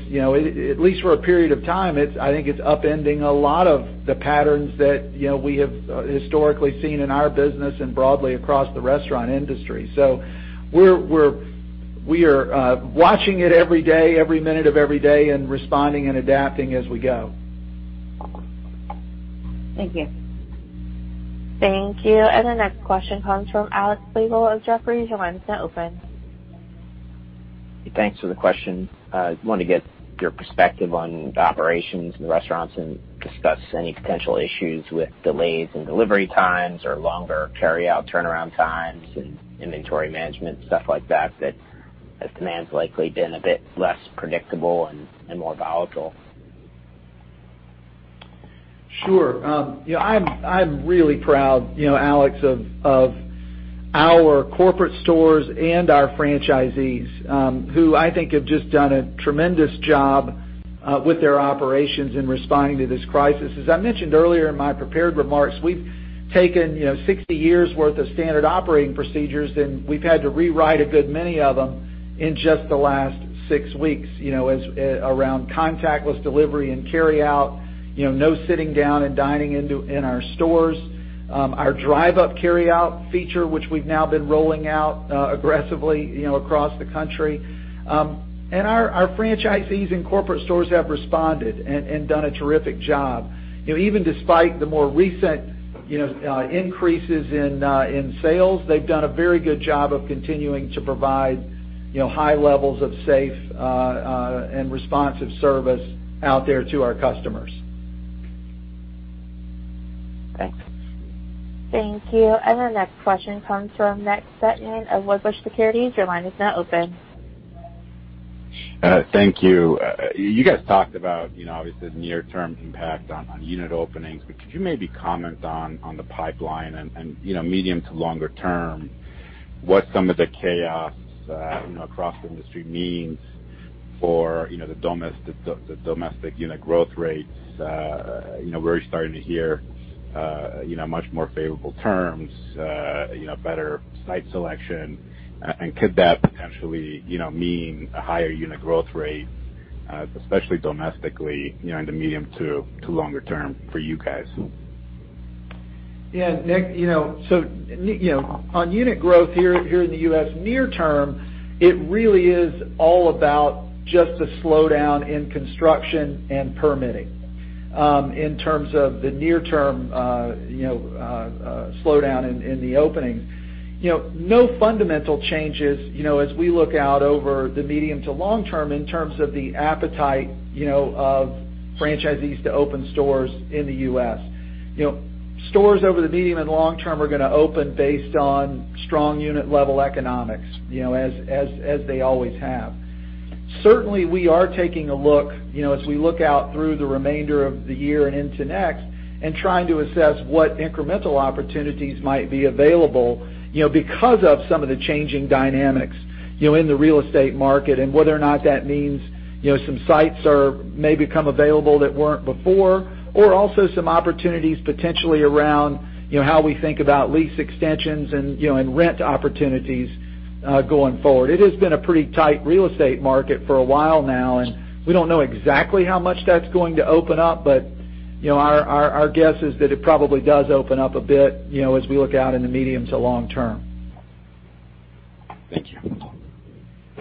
at least for a period of time, I think it's upending a lot of the patterns that we have historically seen in our business and broadly across the restaurant industry. We are watching it every day, every minute of every day, and responding and adapting as we go. Thank you. Thank you. The next question comes from Alex Slagle of Jefferies. Your line is now open. Thanks for the question. I wanted to get your perspective on the operations and the restaurants and discuss any potential issues with delays in delivery times or longer carryout turnaround times and inventory management, stuff like that as demand's likely been a bit less predictable and more volatile. Sure. I'm really proud, Alex, of our corporate stores and our franchisees, who I think have just done a tremendous job with their operations in responding to this crisis. As I mentioned earlier in my prepared remarks, we've taken 60 years’ worth of standard operating procedures, we've had to rewrite a good many of them in just the last six weeks, around contactless delivery and carryout, no sitting down and dining in our stores. Our drive-up carryout feature, which we've now been rolling out aggressively across the country. Our franchisees and corporate stores have responded and done a terrific job. Even despite the more recent increases in sales, they've done a very good job of continuing to provide high levels of safe and responsive service out there to our customers. Thanks. Thank you. Our next question comes from Nick Setyan of Wedbush Securities. Your line is now open. Thank you. You guys talked about, obviously, the near-term impact on unit openings, but could you maybe comment on the pipeline and medium to longer term, what some of the chaos across the industry means for the domestic unit growth rates? We're starting to hear much more favorable terms, better site selection. Could that potentially mean a higher unit growth rate, especially domestically, in the medium to longer term for you guys? Yeah, Nick. On unit growth here in the U.S. near term, it really is all about just the slowdown in construction and permitting in terms of the near-term slowdown in the openings. No fundamental changes as we look out over the medium to long term in terms of the appetite of franchisees to open stores in the U.S. Stores over the medium and long term are going to open based on strong unit level economics as they always have. Certainly, we are taking a look as we look out through the remainder of the year and into next, and trying to assess what incremental opportunities might be available because of some of the changing dynamics in the real estate market, and whether or not that means some sites may become available that weren't before, or also some opportunities potentially around how we think about lease extensions and rent opportunities going forward. It has been a pretty tight real estate market for a while now, and we don't know exactly how much that's going to open up, but our guess is that it probably does open up a bit as we look out in the medium to long term. Thank you.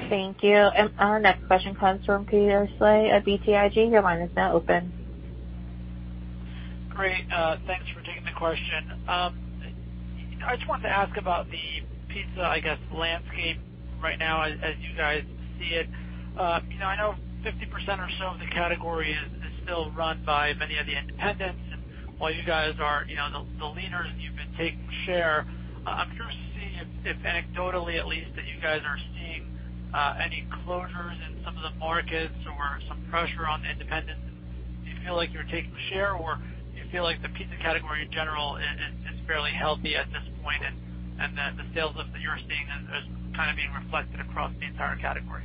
Thank you. Our next question comes from Peter Saleh of BTIG. Your line is now open. Great. Thanks for taking the question. I just wanted to ask about the pizza, I guess, landscape right now as you guys see it. I know 50% or so of the category is still run by many of the independents. While you guys are the leaders and you've been taking share, I'm curious to see if anecdotally at least, that you guys are seeing any closures in some of the markets or some pressure on the independents. Do you feel like you're taking share, or do you feel like the pizza category in general is fairly healthy at this point, and that the sales lift that you're seeing is kind of being reflected across the entire category?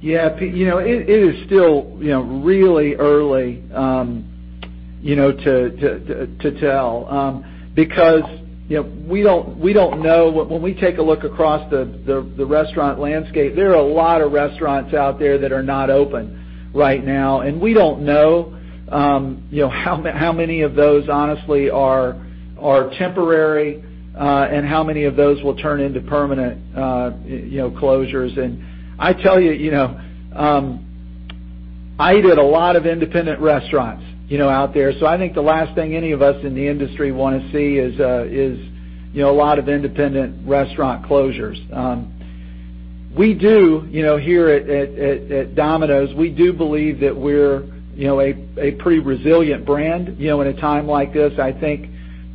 Yeah, Pete. It is still really early to tell because we don't know. When we take a look across the restaurant landscape, there are a lot of restaurants out there that are not open right now, and we don't know how many of those honestly are temporary and how many of those will turn into permanent closures. I tell you, I eat at a lot of independent restaurants out there. I think the last thing any of us in the industry want to see is a lot of independent restaurant closures. Here at Domino's, we do believe that we're a pretty resilient brand in a time like this. I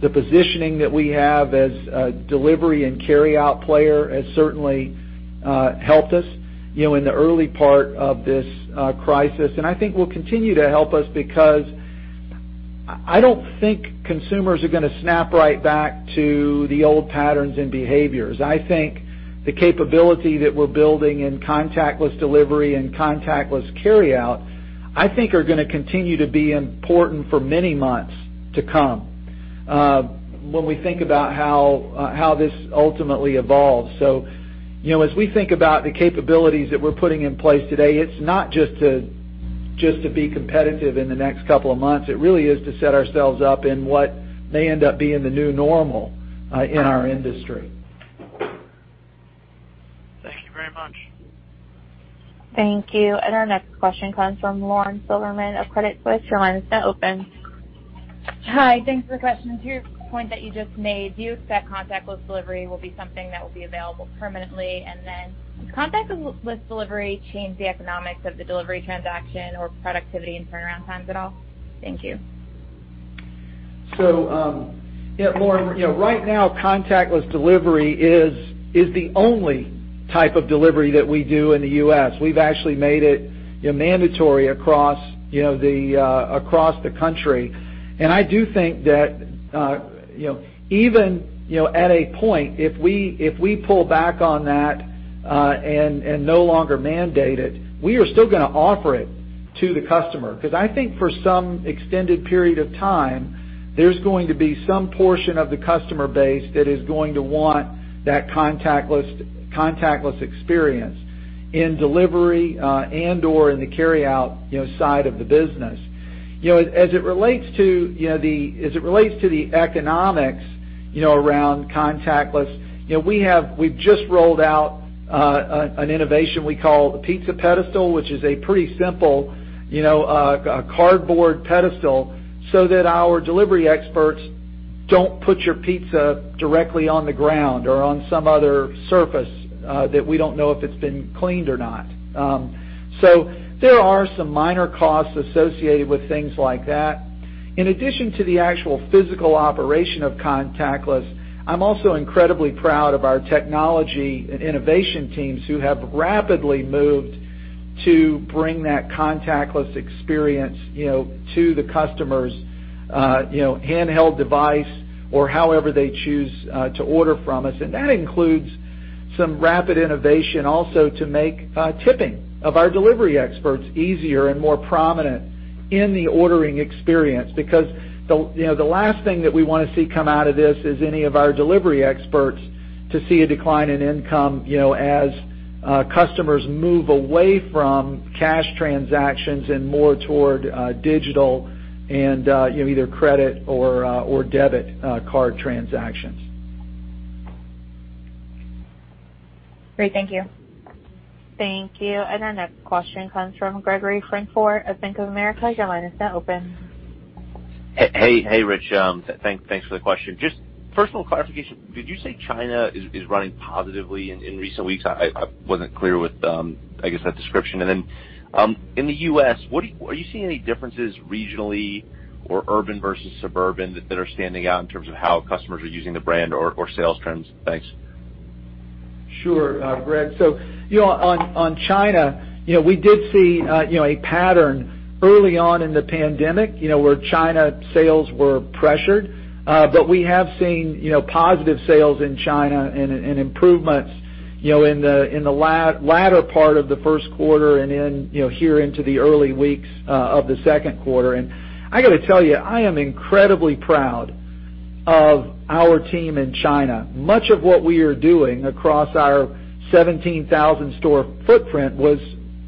think the positioning that we have as a delivery and carryout player has certainly helped us in the early part of this crisis. I think will continue to help us because I don't think consumers are going to snap right back to the old patterns and behaviors. I think the capability that we're building in contactless delivery and contactless carryout, I think, are going to continue to be important for many months to come when we think about how this ultimately evolves. As we think about the capabilities that we're putting in place today, it's not just to be competitive in the next couple of months. It really is to set ourselves up in what may end up being the new normal in our industry. Thank you very much. Thank you. Our next question comes from Lauren Silberman of Credit Suisse. Your line is now open. Hi. Thanks for the question. To your point that you just made, do you expect contactless delivery will be something that will be available permanently? Does contactless delivery change the economics of the delivery transaction or productivity and turnaround times at all? Thank you. Lauren, right now contactless delivery is the only type of delivery that we do in the U.S. We've actually made it mandatory across the country. I do think that even at a point, if we pull back on that and no longer mandate it, we are still going to offer it to the customer. I think for some extended period of time, there's going to be some portion of the customer base that is going to want that contactless experience in delivery and/or in the carryout side of the business. As it relates to the economics around contactless, we've just rolled out an innovation we call the Pizza Pedestal, which is a pretty simple cardboard pedestal so that our delivery experts don't put your pizza directly on the ground or on some other surface that we don't know if it's been cleaned or not. There are some minor costs associated with things like that. In addition to the actual physical operation of contactless, I'm also incredibly proud of our technology and innovation teams who have rapidly moved to bring that contactless experience to the customer's handheld device or however they choose to order from us. That includes some rapid innovation also to make tipping of our delivery experts easier and more prominent in the ordering experience. Because the last thing that we want to see come out of this is any of our delivery experts to see a decline in income as customers move away from cash transactions and more toward digital and either credit or debit card transactions. Great. Thank you. Thank you. Our next question comes from Gregory Francfort of Bank of America. Your line is now open. Hey, Ritch. Thanks for the question. Just first of all, clarification, did you say China is running positively in recent weeks? I wasn't clear with that description. Then in the U.S., are you seeing any differences regionally or urban versus suburban that are standing out in terms of how customers are using the brand or sales trends? Thanks. Sure, Greg. On China, we did see a pattern early on in the pandemic, where China sales were pressured. We have seen positive sales in China and improvements in the latter part of the first quarter here into the early weeks of the second quarter. I got to tell you, I am incredibly proud of our team in China. Much of what we are doing across our 17,000 store footprint was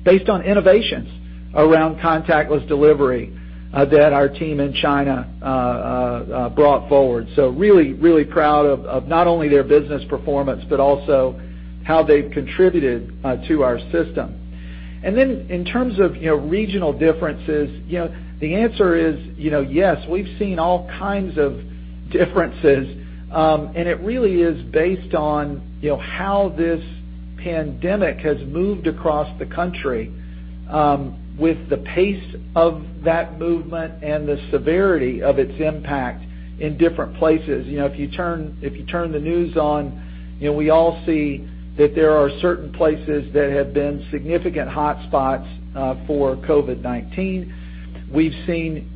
based on innovations around contactless delivery that our team in China brought forward. Really, really proud of not only their business performance, but also how they've contributed to our system. In terms of regional differences, the answer is yes, we've seen all kinds of differences. It really is based on how this pandemic has moved across the country with the pace of that movement and the severity of its impact in different places. If you turn the news on, we all see that there are certain places that have been significant hotspots for COVID-19. We've seen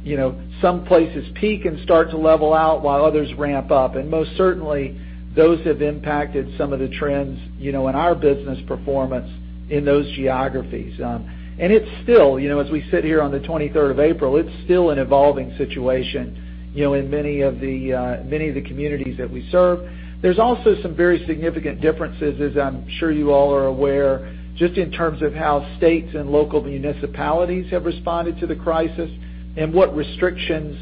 some places peak and start to level out while others ramp up. Most certainly, those have impacted some of the trends in our business performance in those geographies. As we sit here on the 23rd of April, it's still an evolving situation in many of the communities that we serve. There's also some very significant differences, as I'm sure you all are aware, just in terms of how states and local municipalities have responded to the crisis and what restrictions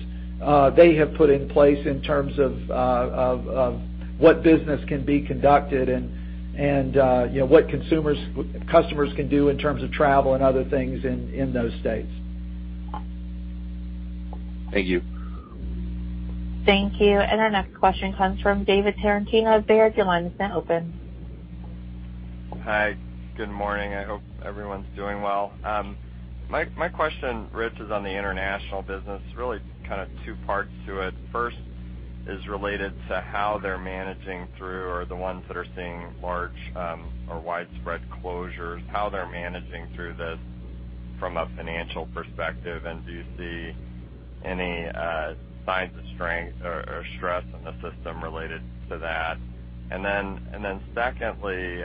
they have put in place in terms of what business can be conducted and what customers can do in terms of travel and other things in those states. Thank you. Thank you. Our next question comes from David Tarantino of Baird. Your line is now open. Hi, good morning. I hope everyone's doing well. My question, Ritch, is on the international business, really two parts to it. First is related to how they're managing through, or the ones that are seeing large or widespread closures, how they're managing through this from a financial perspective, and do you see any signs of stress in the system related to that? Secondly,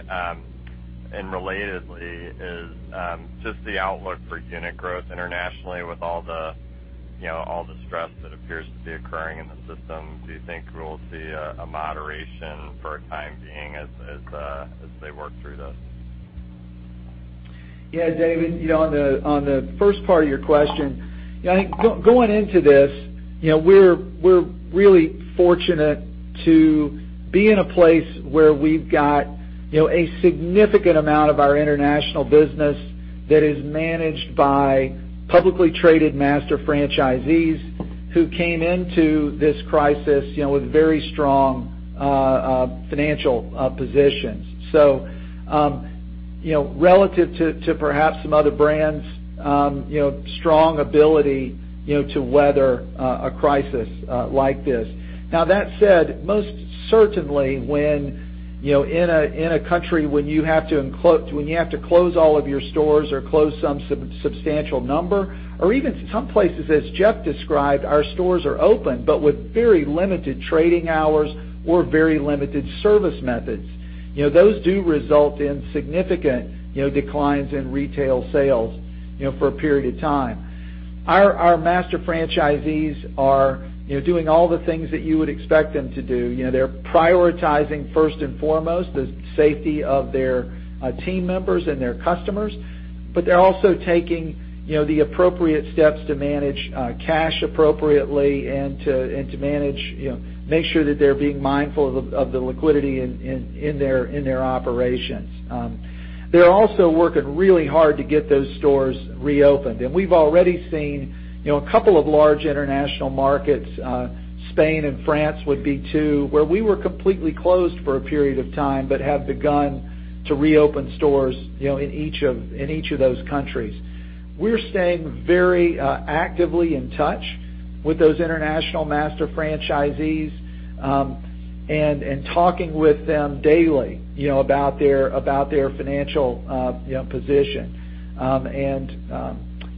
and relatedly, is just the outlook for unit growth internationally with all the stress that appears to be occurring in the system. Do you think we'll see a moderation for a time being as they work through this? David, on the first part of your question, I think going into this, we're really fortunate to be in a place where we've got a significant amount of our international business that is managed by publicly traded master franchisees who came into this crisis with very strong financial positions. Relative to perhaps some other brands, strong ability to weather a crisis like this. That said, most certainly when, in a country when you have to close all of your stores or close some substantial number, or even some places, as Jeff described, our stores are open, but with very limited trading hours or very limited service methods. Those do result in significant declines in retail sales for a period of time. Our master franchisees are doing all the things that you would expect them to do. They're prioritizing, first and foremost, the safety of their team members and their customers. They're also taking the appropriate steps to manage cash appropriately and to make sure that they're being mindful of the liquidity in their operations. They're also working really hard to get those stores reopened. We've already seen a couple of large international markets, Spain and France would be two, where we were completely closed for a period of time, but have begun to reopen stores in each of those countries. We're staying very actively in touch with those international master franchisees, and talking with them daily about their financial position.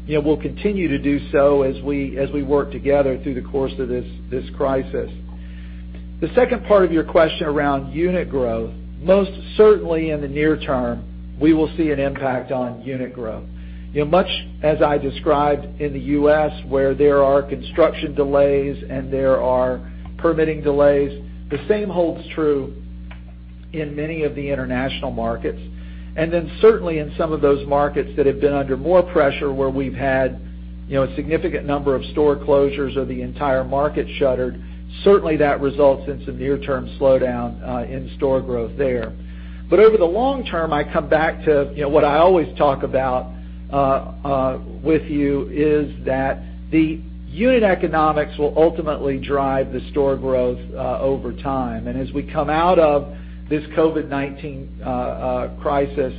We'll continue to do so as we work together through the course of this crisis. The second part of your question around unit growth, most certainly in the near term, we will see an impact on unit growth. Much as I described in the U.S., where there are construction delays and there are permitting delays, the same holds true in many of the international markets. Certainly in some of those markets that have been under more pressure where we've had a significant number of store closures or the entire market shuttered, certainly that results in some near-term slowdown in store growth there. Over the long term, I come back to what I always talk about with you, is that the unit economics will ultimately drive the store growth over time. As we come out of this COVID-19 crisis,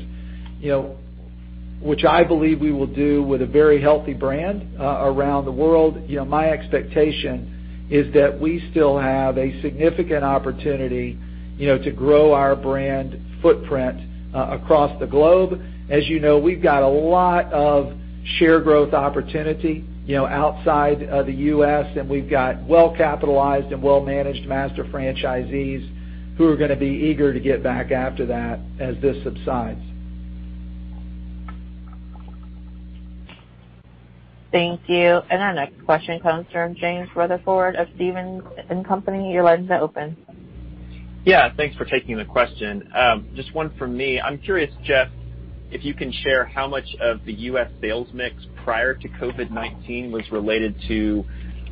which I believe we will do with a very healthy brand around the world, my expectation is that we still have a significant opportunity to grow our brand footprint across the globe. As you know, we've got a lot of share growth opportunity outside of the U.S., and we've got well-capitalized and well-managed master franchisees who are going to be eager to get back after that as this subsides. Thank you. Our next question comes from James Rutherford of Stephens & Company. Your line is now open. Yeah. Thanks for taking the question. Just one from me. I'm curious, Jeff, if you can share how much of the U.S. sales mix prior to COVID-19 was related to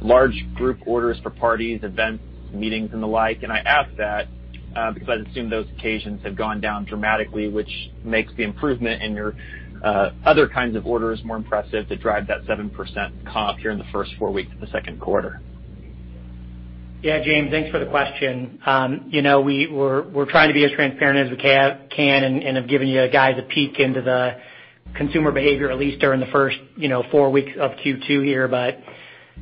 large group orders for parties, events, meetings and the like. I ask that because I'd assume those occasions have gone down dramatically, which makes the improvement in your other kinds of orders more impressive to drive that 7% comp here in the first four weeks of the second quarter. Yeah, James, thanks for the question. We're trying to be as transparent as we can and have given you guys a peek into the consumer behavior, at least during the first four weeks of Q2 here.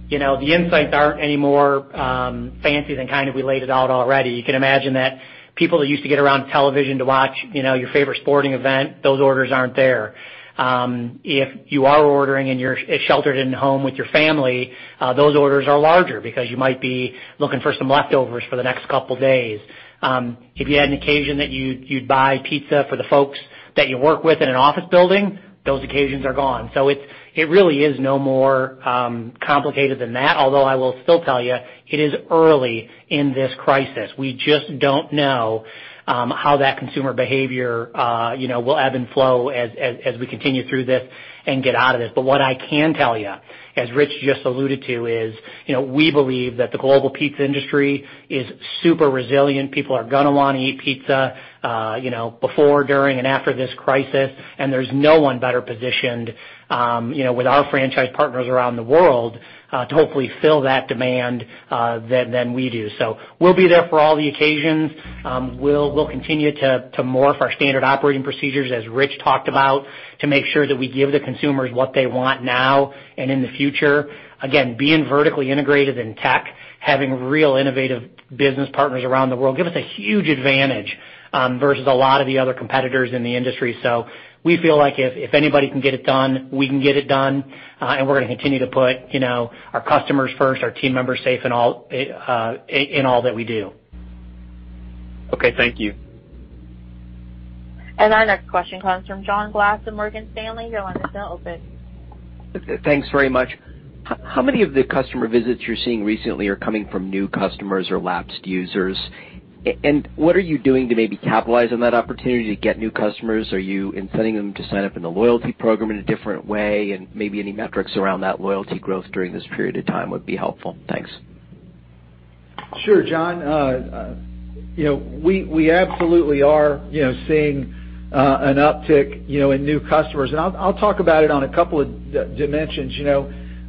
The insights aren't any more fancy than kind of we laid it out already. You can imagine that people that used to get around television to watch your favorite sporting event, those orders aren't there. If you are ordering and you're sheltered in home with your family, those orders are larger because you might be looking for some leftovers for the next couple of days. If you had an occasion that you'd buy pizza for the folks that you work with in an office building, those occasions are gone. It really is no more complicated than that, although I will still tell you, it is early in this crisis. We just don't know how that consumer behavior will ebb and flow as we continue through this and get out of this. What I can tell you, as Ritch just alluded to, is we believe that the global pizza industry is super resilient. People are going to want to eat pizza before, during and after this crisis. There's no one better positioned with our franchise partners around the world, to hopefully fill that demand than we do. We'll be there for all the occasions. We'll continue to morph our standard operating procedures, as Ritch talked about, to make sure that we give the consumers what they want now and in the future. Being vertically integrated in tech, having real innovative business partners around the world give us a huge advantage versus a lot of the other competitors in the industry. We feel like if anybody can get it done, we can get it done. We're going to continue to put our customers first, our team members safe in all that we do. Okay. Thank you. Our next question comes from John Glass at Morgan Stanley. Your line is now open. Thanks very much. How many of the customer visits you're seeing recently are coming from new customers or lapsed users? What are you doing to maybe capitalize on that opportunity to get new customers? Are you inciting them to sign up in the loyalty program in a different way? Maybe any metrics around that loyalty growth during this period of time would be helpful. Thanks. Sure, John. We absolutely are seeing an uptick in new customers, and I'll talk about it on a couple of dimensions.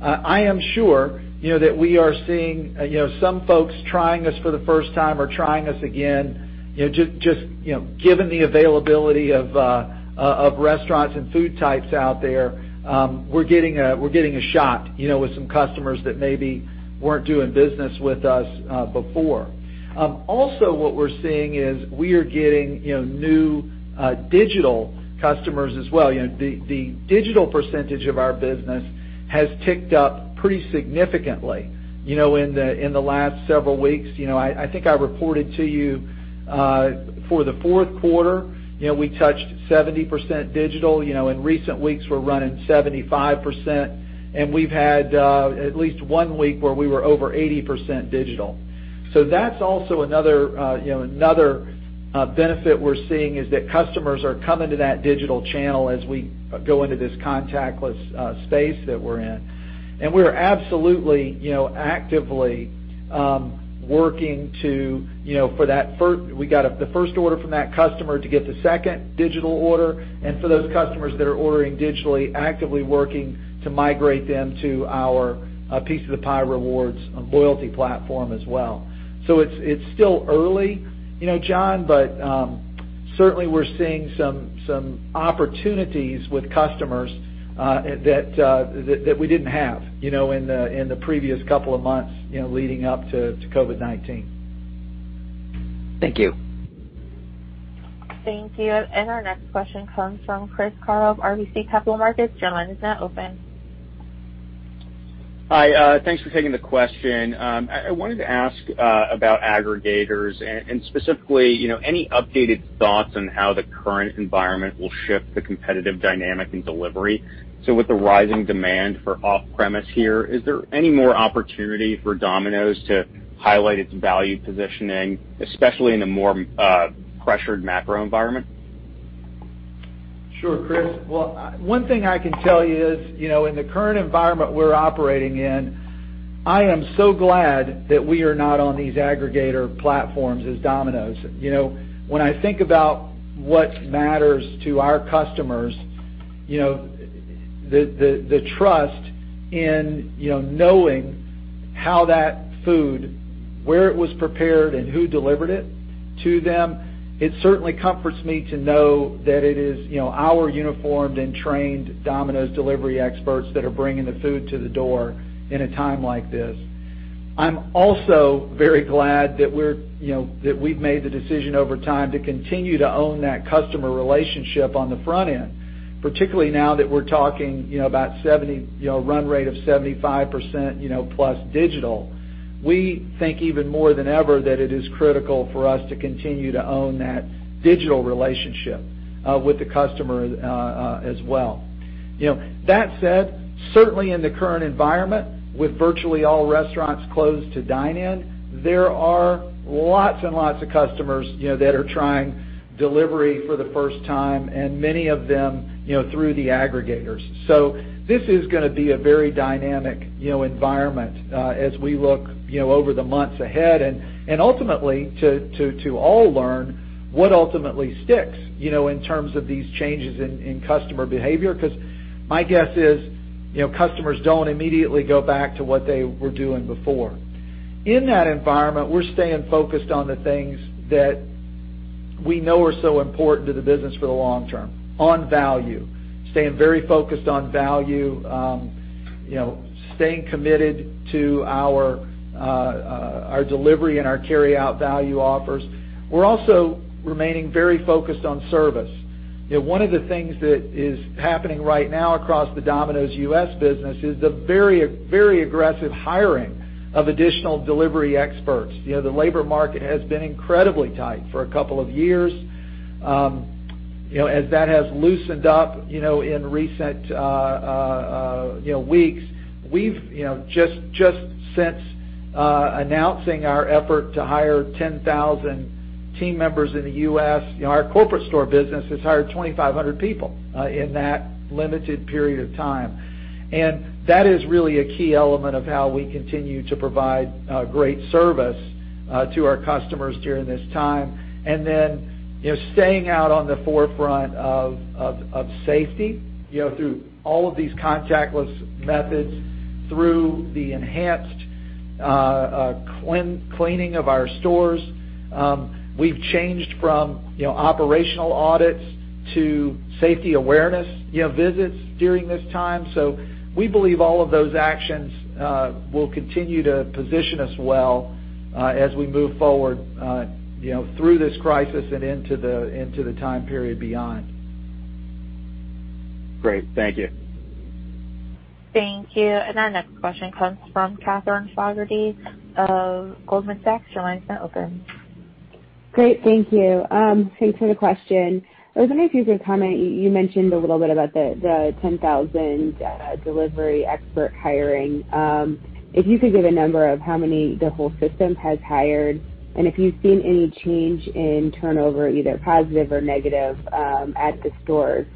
I am sure that we are seeing some folks trying us for the first time or trying us again. Just given the availability of restaurants and food types out there, we're getting a shot with some customers that maybe weren't doing business with us before. Also, what we're seeing is we are getting new digital customers as well. The digital percentage of our business has ticked up pretty significantly in the last several weeks. I think I reported to you for the fourth quarter, we touched 70% digital. In recent weeks, we're running 75%, and we've had at least one week where we were over 80% digital. That's also another benefit we're seeing, is that customers are coming to that digital channel as we go into this contactless space that we're in. We're absolutely actively working. We got the first order from that customer to get the second digital order, and for those customers that are ordering digitally, actively working to migrate them to our Piece of the Pie Rewards loyalty platform as well. It's still early, John, but certainly, we're seeing some opportunities with customers that we didn't have in the previous couple of months leading up to COVID-19. Thank you. Thank you. Our next question comes from Chris Carril of RBC Capital Markets. Your line is now open. Hi, thanks for taking the question. I wanted to ask about aggregators and specifically, any updated thoughts on how the current environment will shift the competitive dynamic in delivery. With the rising demand for off-premise here, is there any more opportunity for Domino's to highlight its value positioning, especially in a more pressured macro environment? Sure, Chris. Well, one thing I can tell you is, in the current environment we're operating in, I am so glad that we are not on these aggregator platforms as Domino's. When I think about what matters to our customers, the trust in knowing how that food, where it was prepared, and who delivered it to them, it certainly comforts me to know that it is our uniformed and trained Domino's delivery experts that are bringing the food to the door in a time like this. I'm also very glad that we've made the decision over time to continue to own that customer relationship on the front end, particularly now that we're talking about run rate of 75%+ digital. We think even more than ever that it is critical for us to continue to own that digital relationship with the customer as well. That said, certainly in the current environment, with virtually all restaurants closed to dine-in, there are lots and lots of customers that are trying delivery for the first time, and many of them through the aggregators. This is going to be a very dynamic environment as we look over the months ahead, and ultimately to all learn what ultimately sticks in terms of these changes in customer behavior. My guess is customers don't immediately go back to what they were doing before. In that environment, we're staying focused on the things that we know are so important to the business for the long term. On value, staying very focused on value, staying committed to our delivery and our carryout value offers. We're also remaining very focused on service. One of the things that is happening right now across the Domino's U.S. business is the very aggressive hiring of additional delivery experts. The labor market has been incredibly tight for a couple of years. As that has loosened up in recent weeks, we've just since announcing our effort to hire 10,000 team members in the U.S., our corporate store business has hired 2,500 people in that limited period of time. That is really a key element of how we continue to provide great service to our customers during this time. Staying out on the forefront of safety through all of these contactless methods, through the enhanced cleaning of our stores. We've changed from operational audits to safety awareness visits during this time. We believe all of those actions will continue to position us well as we move forward through this crisis and into the time period beyond. Great. Thank you. Thank you. Our next question comes from Katherine Fogertey of Goldman Sachs. Your line is now open. Great, thank you. Thanks for the question. I was wondering if you could comment, you mentioned a little bit about the 10,000 delivery expert hiring. If you could give a number of how many the whole system has hired, and if you've seen any change in turnover, either positive or negative, at the stores,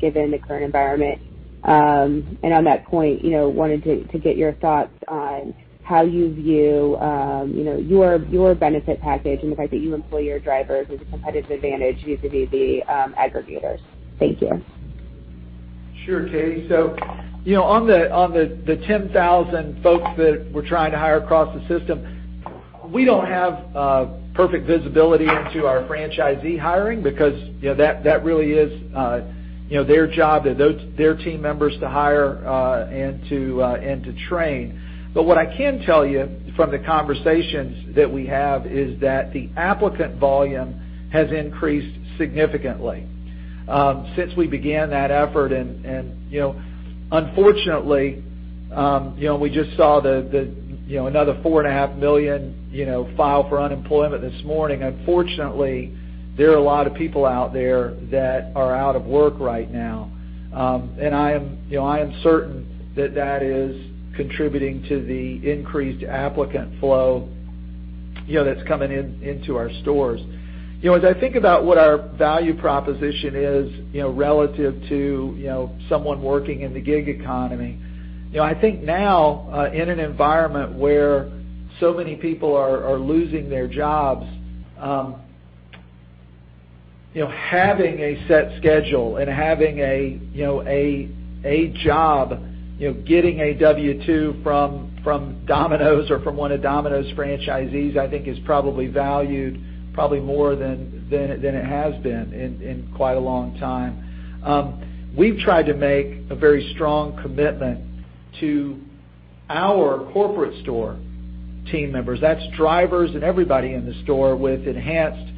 given the current environment? On that point, wanted to get your thoughts on how you view your benefit package and the fact that you employ your drivers as a competitive advantage vis-à-vis the aggregators. Thank you. Sure, Katie. On the 10,000 folks that we're trying to hire across the system, we don't have perfect visibility into our franchisee hiring because that really is their job, their team members to hire and to train. What I can tell you from the conversations that we have is that the applicant volume has increased significantly since we began that effort. Unfortunately, we just saw another 4.5 million file for unemployment this morning. Unfortunately, there are a lot of people out there that are out of work right now. I am certain that that is contributing to the increased applicant flow that's coming into our stores. As I think about what our value proposition is, relative to someone working in the gig economy, I think now, in an environment where so many people are losing their jobs, having a set schedule and having a job, getting a W-2 from Domino's or from one of Domino's franchisees, I think, is probably valued probably more than it has been in quite a long time. We've tried to make a very strong commitment to our corporate store team members. That's drivers and everybody in the store with enhanced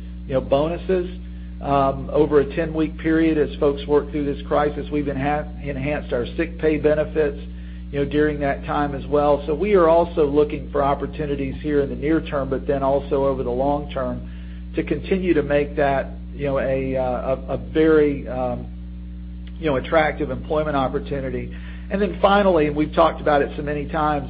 bonuses over a 10-week period as folks work through this crisis. We've enhanced our sick pay benefits during that time as well. We are also looking for opportunities here in the near term, but then also over the long term, to continue to make that a very attractive employment opportunity. Finally, we've talked about it so many times,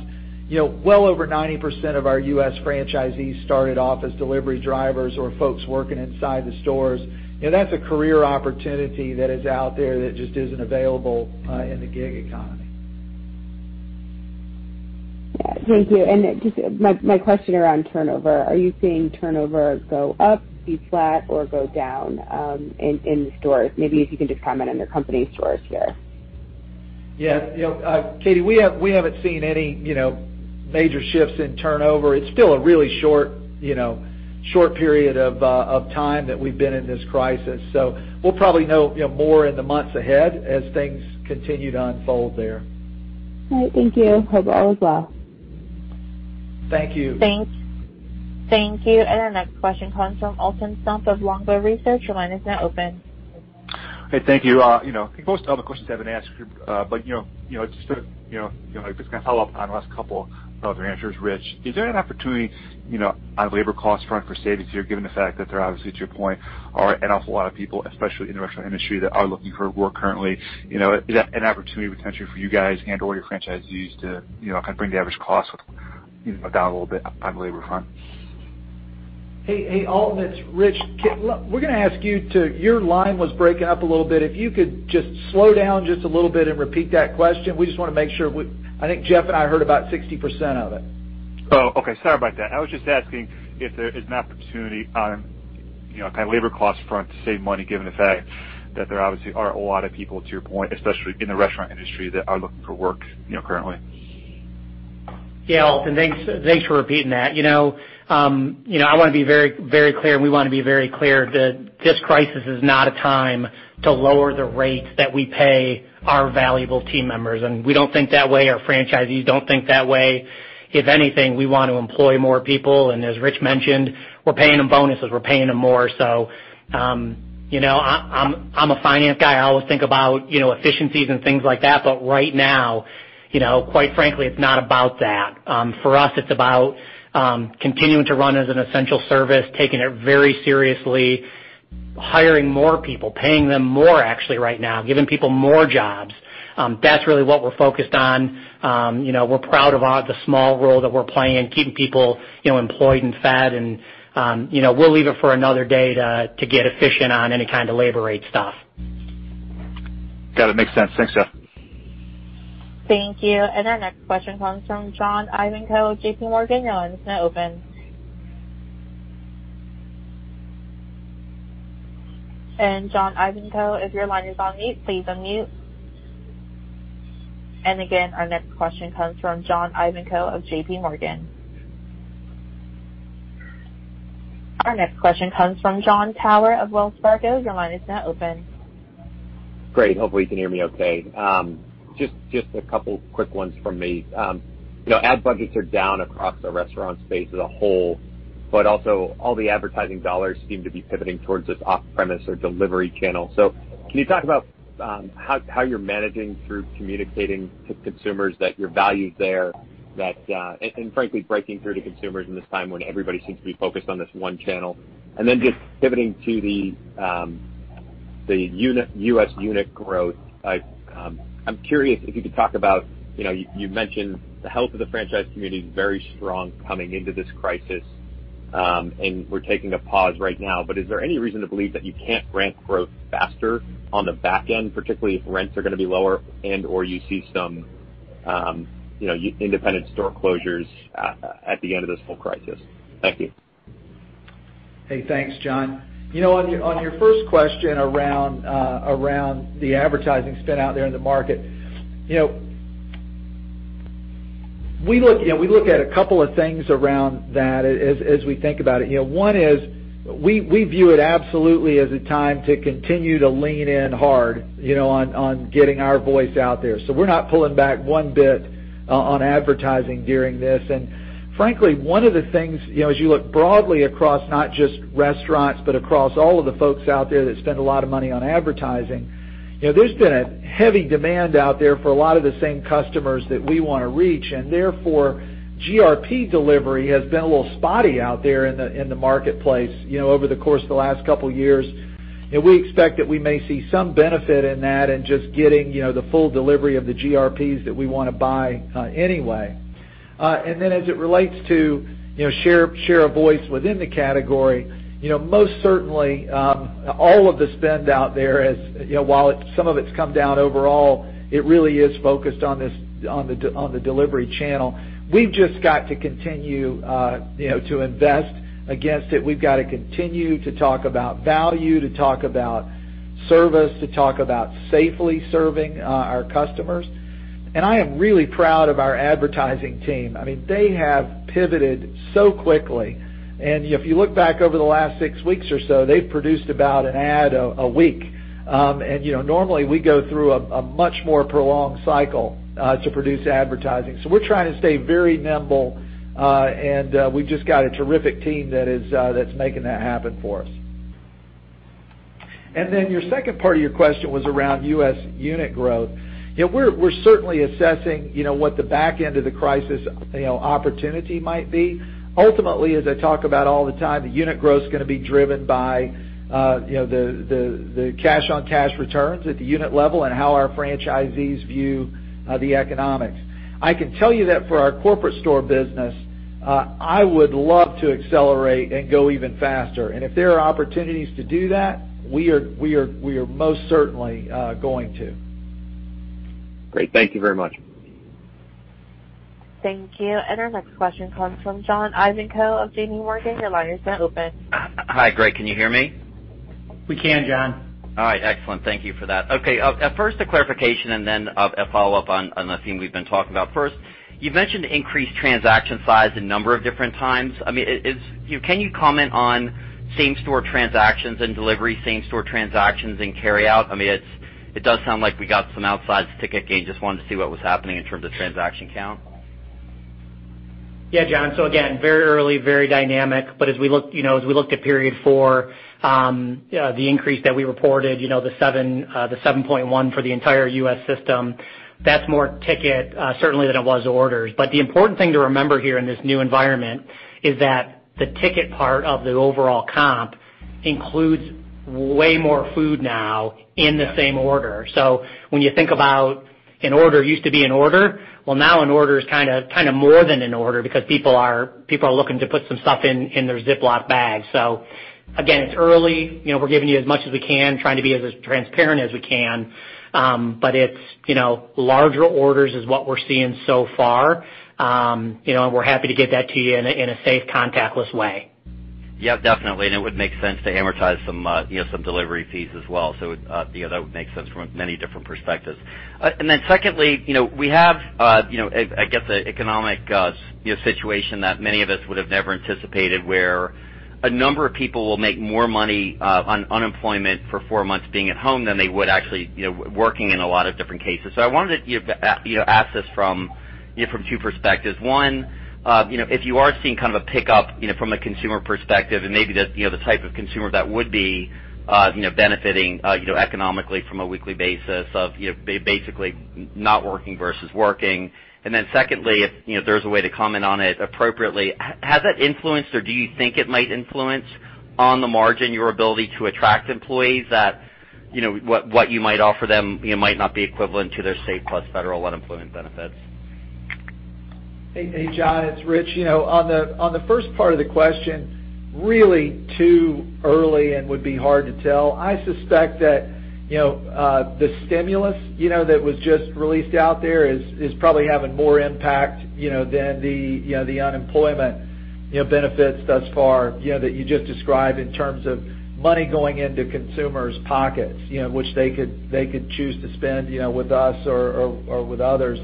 well over 90% of our U.S. franchisees started off as delivery drivers or folks working inside the stores. That's a career opportunity that is out there that just isn't available in the gig economy. Yeah. Thank you. Just my question around turnover, are you seeing turnover go up, be flat, or go down in the stores? Maybe if you can just comment on the company stores here. Yeah. Katie, we haven't seen any major shifts in turnover. It's still a really short period of time that we've been in this crisis. We'll probably know more in the months ahead as things continue to unfold there. All right. Thank you. Hope all is well. Thank you. Thank you. Our next question comes from Alton Stump of Longbow Research. Your line is now open. Hey, thank you. I think most of the other questions have been asked, just to kind of follow up on the last couple of your answers, Ritch. Is there an opportunity on labor cost front for savings here, given the fact that there obviously, to your point, are an awful lot of people, especially in the restaurant industry, that are looking for work currently. Is that an opportunity potentially for you guys and/or your franchisees to kind of bring the average cost down a little bit on labor front? Hey, Alton. It's Ritch. Your line was breaking up a little bit. If you could just slow down just a little bit and repeat that question. We just want to make sure. I think Jeff and I heard about 60% of it. Okay. Sorry about that. I was just asking if there is an opportunity on kind of labor cost front to save money, given the fact that there obviously are a lot of people, to your point, especially in the restaurant industry, that are looking for work currently. Yeah, Alton. Thanks for repeating that. I want to be very clear, we want to be very clear, that this crisis is not a time to lower the rates that we pay our valuable team members. We don't think that way, our franchisees don't think that way. If anything, we want to employ more people. As Ritch mentioned, we're paying them bonuses. We're paying them more. I'm a finance guy. I always think about efficiencies and things like that. Right now, quite frankly, it's not about that. For us, it's about continuing to run as an essential service, taking it very seriously, hiring more people, paying them more, actually, right now, giving people more jobs. That's really what we're focused on. We're proud of the small role that we're playing in keeping people employed and fed, and we'll leave it for another day to get efficient on any kind of labor rate stuff. Got it. Makes sense. Thanks, Jeff. Thank you. Our next question comes from John Ivankoe, JPMorgan. Your line is now open. John Ivankoe, if your line is on mute, please unmute. Again, our next question comes from John Ivankoe of JPMorgan. Our next question comes from Jon Tower of Wells Fargo. Your line is now open. Great. Hopefully, you can hear me okay. Just a couple quick ones from me. Ad budgets are down across the restaurant space as a whole, but also all the advertising dollars seem to be pivoting towards this off-premise or delivery channel. Can you talk about how you're managing through communicating to consumers that your value is there, and frankly, breaking through to consumers in this time when everybody seems to be focused on this one channel? Then just pivoting to the U.S. unit growth, I'm curious if you could talk about, you've mentioned the health of the franchise community is very strong coming into this crisis. We're taking a pause right now, but is there any reason to believe that you can't ramp growth faster on the back end, particularly if rents are going to be lower and/or you see some independent store closures at the end of this whole crisis? Thank you. Hey, thanks, John. On your first question around the advertising spend out there in the market. We look at a couple of things around that as we think about it. One is we view it absolutely as a time to continue to lean in hard on getting our voice out there. We're not pulling back one bit on advertising during this. Frankly, one of the things, as you look broadly across not just restaurants, but across all of the folks out there that spend a lot of money on advertising, there's been a heavy demand out there for a lot of the same customers that we want to reach, and therefore, GRP delivery has been a little spotty out there in the marketplace over the course of the last couple of years. We expect that we may see some benefit in that in just getting the full delivery of the GRPs that we want to buy anyway. As it relates to share of voice within the category. Most certainly, all of the spend out there, while some of it's come down overall, it really is focused on the delivery channel. We've just got to continue to invest against it. We've got to continue to talk about value, to talk about service, to talk about safely serving our customers. I am really proud of our advertising team. They have pivoted so quickly, and if you look back over the last six weeks or so, they've produced about an ad a week. Normally we go through a much more prolonged cycle to produce advertising. We're trying to stay very nimble, and we've just got a terrific team that's making that happen for us. Your second part of your question was around U.S. unit growth. We're certainly assessing what the back end of the crisis opportunity might be. Ultimately, as I talk about all the time, the unit growth is going to be driven by the cash on cash returns at the unit level and how our franchisees view the economics. I can tell you that for our corporate store business, I would love to accelerate and go even faster. If there are opportunities to do that, we are most certainly going to. Great. Thank you very much. Thank you. Our next question comes from John Ivankoe of JPMorgan. Your line is now open. Hi. Great, can you hear me? We can, John. All right, excellent. Thank you for that. Okay. First a clarification and then a follow-up on the theme we've been talking about. First, you've mentioned increased transaction size a number of different times. Can you comment on same-store transactions and delivery, same-store transactions and carryout? It does sound like we got some outsized ticket gain. Just wanted to see what was happening in terms of transaction count. Yeah, John. Again, very early, very dynamic. As we looked at period four, the increase that we reported, the 7.1 for the entire U.S. system, that's more ticket certainly than it was orders. The important thing to remember here in this new environment is that the ticket part of the overall comp includes way more food now in the same order. When you think about an order used to be an order, well, now an order is kind of more than an order because people are looking to put some stuff in their Ziploc bag. Again, it's early. We're giving you as much as we can, trying to be as transparent as we can. It's larger orders is what we're seeing so far. We're happy to get that to you in a safe contactless way. Yeah, definitely. It would make sense to amortize some delivery fees as well. That would make sense from many different perspectives. Secondly, we have I guess, an economic situation that many of us would have never anticipated where a number of people will make more money on unemployment for four months being at home than they would actually working in a lot of different cases. I wanted to ask this from two perspectives. One, if you are seeing kind of a pickup from a consumer perspective and maybe the type of consumer that would be benefiting economically from a weekly basis of basically not working versus working. Secondly, if there's a way to comment on it appropriately, has that influenced or do you think it might influence on the margin your ability to attract employees that what you might offer them might not be equivalent to their state plus federal unemployment benefits? Hey, John, it's Ritch. On the first part of the question, really too early and would be hard to tell. I suspect that the stimulus that was just released out there is probably having more impact than the unemployment benefits thus far that you just described in terms of money going into consumers' pockets, which they could choose to spend with us or with others.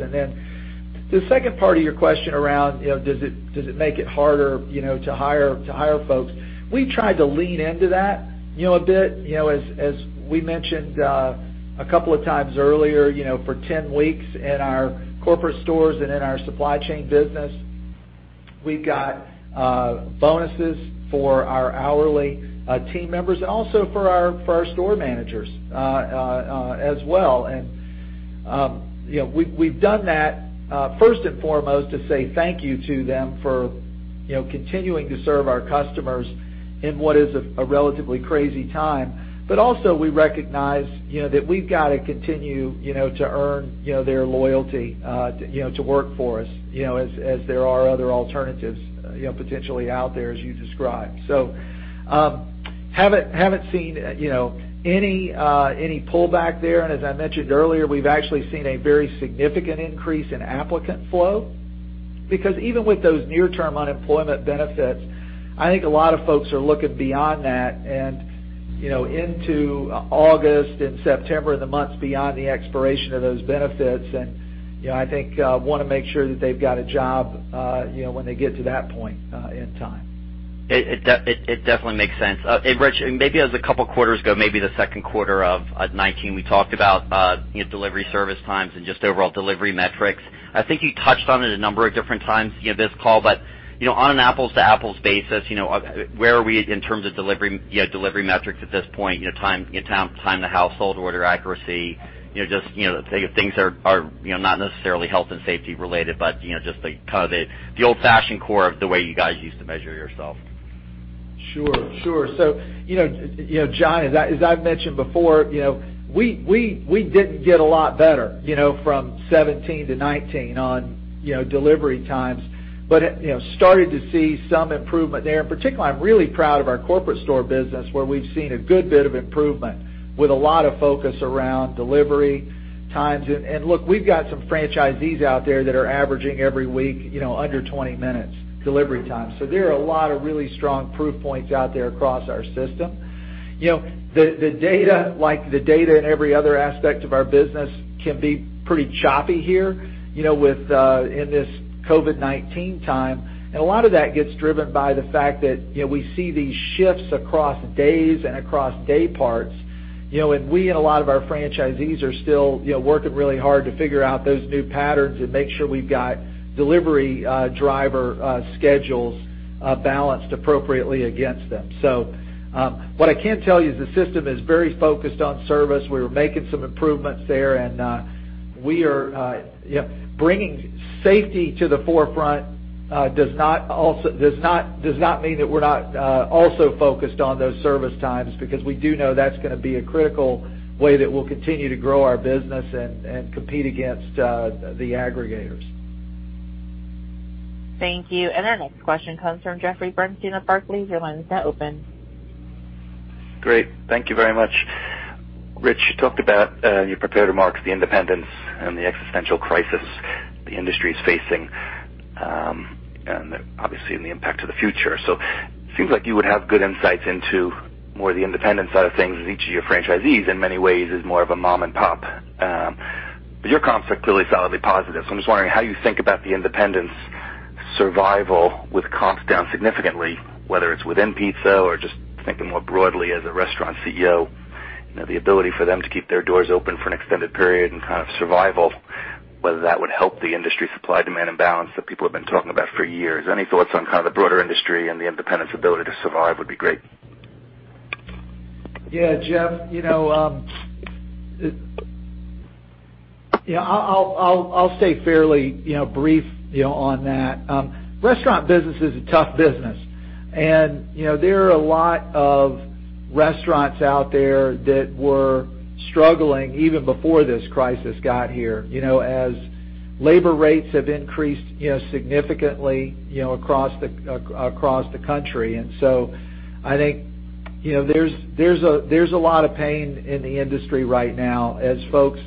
The second part of your question around does it make it harder to hire folks. We tried to lean into that a bit. As we mentioned a couple of times earlier for 10 weeks in our corporate stores and in our supply chain business, we've got bonuses for our hourly team members, also for our store managers as well. We've done that first and foremost to say thank you to them for continuing to serve our customers in what is a relatively crazy time. Also we recognize that we've got to continue to earn their loyalty to work for us as there are other alternatives potentially out there as you described. Haven't seen any pullback there, and as I mentioned earlier, we've actually seen a very significant increase in applicant flow. Even with those near-term unemployment benefits, I think a lot of folks are looking beyond that and into August and September and the months beyond the expiration of those benefits, and I think want to make sure that they've got a job when they get to that point in time. It definitely makes sense. Hey, Ritch, maybe it was a couple of quarters ago, maybe the second quarter of 2019, we talked about delivery service times and just overall delivery metrics. I think you touched on it a number of different times this call. On an apples-to-apples basis, where are we in terms of delivery metrics at this point, time to household, order accuracy, things that are not necessarily health and safety related, but just the old-fashioned core of the way you guys used to measure yourself? Sure. John, as I've mentioned before, we didn't get a lot better from 2017 to 2019 on delivery times. Started to see some improvement there. In particular, I'm really proud of our corporate store business, where we've seen a good bit of improvement with a lot of focus around delivery times. Look, we've got some franchisees out there that are averaging every week under 20 minutes delivery time. There are a lot of really strong proof points out there across our system. The data, like the data in every other aspect of our business, can be pretty choppy here in this COVID-19 time, and a lot of that gets driven by the fact that we see these shifts across days and across day parts, and we and a lot of our franchisees are still working really hard to figure out those new patterns and make sure we've got delivery driver schedules balanced appropriately against them. What I can tell you is the system is very focused on service. We were making some improvements there, and bringing safety to the forefront does not mean that we're not also focused on those service times because we do know that's going to be a critical way that we'll continue to grow our business and compete against the aggregators. Thank you. Our next question comes from Jeffrey Bernstein of Barclays. Your line is now open. Great. Thank you very much. Ritch, you talked about in your prepared remarks the independents and the existential crisis the industry is facing, and obviously the impact to the future. Seems like you would have good insights into more the independent side of things, as each of your franchisees, in many ways, is more of a mom and pop. Your comps are clearly solidly positive, so I'm just wondering how you think about the independents' survival with comps down significantly, whether it's within pizza or just thinking more broadly as a restaurant CEO, the ability for them to keep their doors open for an extended period and kind of survival, whether that would help the industry supply-demand imbalance that people have been talking about for years. Any thoughts on kind of the broader industry and the independents' ability to survive would be great. Yeah. Jeff, I'll stay fairly brief on that. Restaurant business is a tough business, and there are a lot of restaurants out there that were struggling even before this crisis got here, as labor rates have increased significantly across the country. I think there's a lot of pain in the industry right now as folks,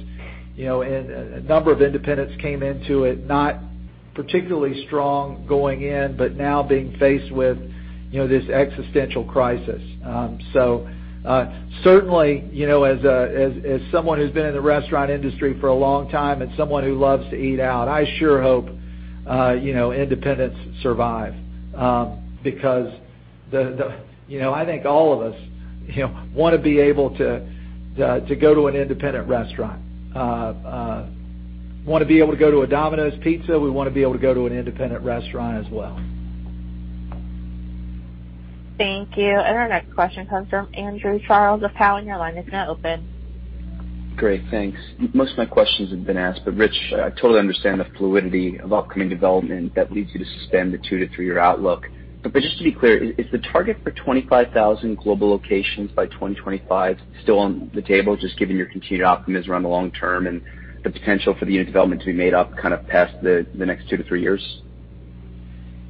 and a number of independents came into it not particularly strong going in, but now being faced with this existential crisis. Certainly, as someone who's been in the restaurant industry for a long time and someone who loves to eat out, I sure hope independents survive. I think all of us want to be able to go to an independent restaurant. We want to be able to go to a Domino's Pizza, we want to be able to go to an independent restaurant as well. Thank you. Our next question comes from Andrew Charles of Cowen. Your line is now open. Great. Thanks. Most of my questions have been asked, Ritch, I totally understand the fluidity of upcoming development that leads you to suspend the two to three year outlook. Just to be clear, is the target for 25,000 global locations by 2025 still on the table, just given your continued optimism around the long term and the potential for the unit development to be made up kind of past the next two to three years?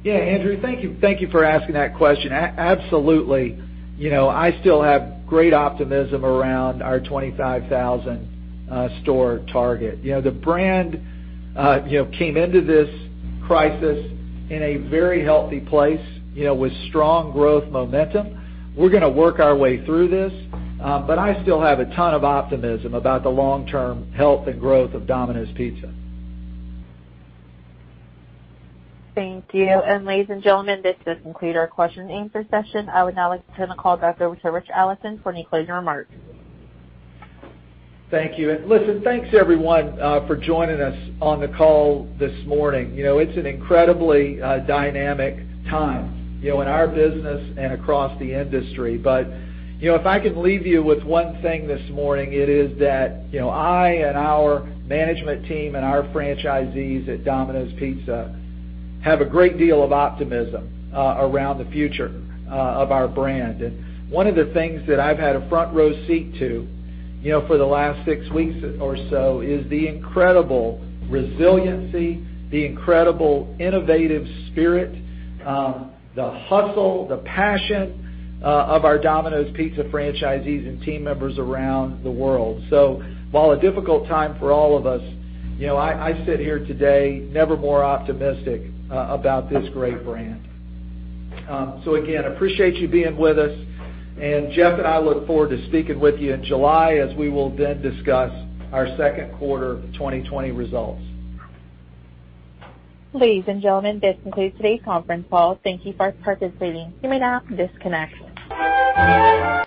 Yeah. Andrew, thank you for asking that question. Absolutely. I still have great optimism around our 25,000 store target. The brand came into this crisis in a very healthy place with strong growth momentum. We're going to work our way through this. I still have a ton of optimism about the long-term health and growth of Domino's Pizza. Thank you. Ladies and gentlemen, this does conclude our question and answer session. I would now like to turn the call back over to Ritch Allison for any closing remarks. Thank you. Listen, thanks everyone for joining us on the call this morning. It's an incredibly dynamic time in our business and across the industry. If I can leave you with one thing this morning, it is that I and our management team and our franchisees at Domino's Pizza have a great deal of optimism around the future of our brand. One of the things that I've had a front row seat to for the last six weeks or so is the incredible resiliency, the incredible innovative spirit, the hustle, the passion of our Domino's Pizza franchisees and team members around the world. While a difficult time for all of us, I sit here today never more optimistic about this great brand. Again, appreciate you being with us. Jeff and I look forward to speaking with you in July as we will then discuss our second quarter 2020 results. Ladies and gentlemen, this concludes today's conference call. Thank you for participating. You may now disconnect.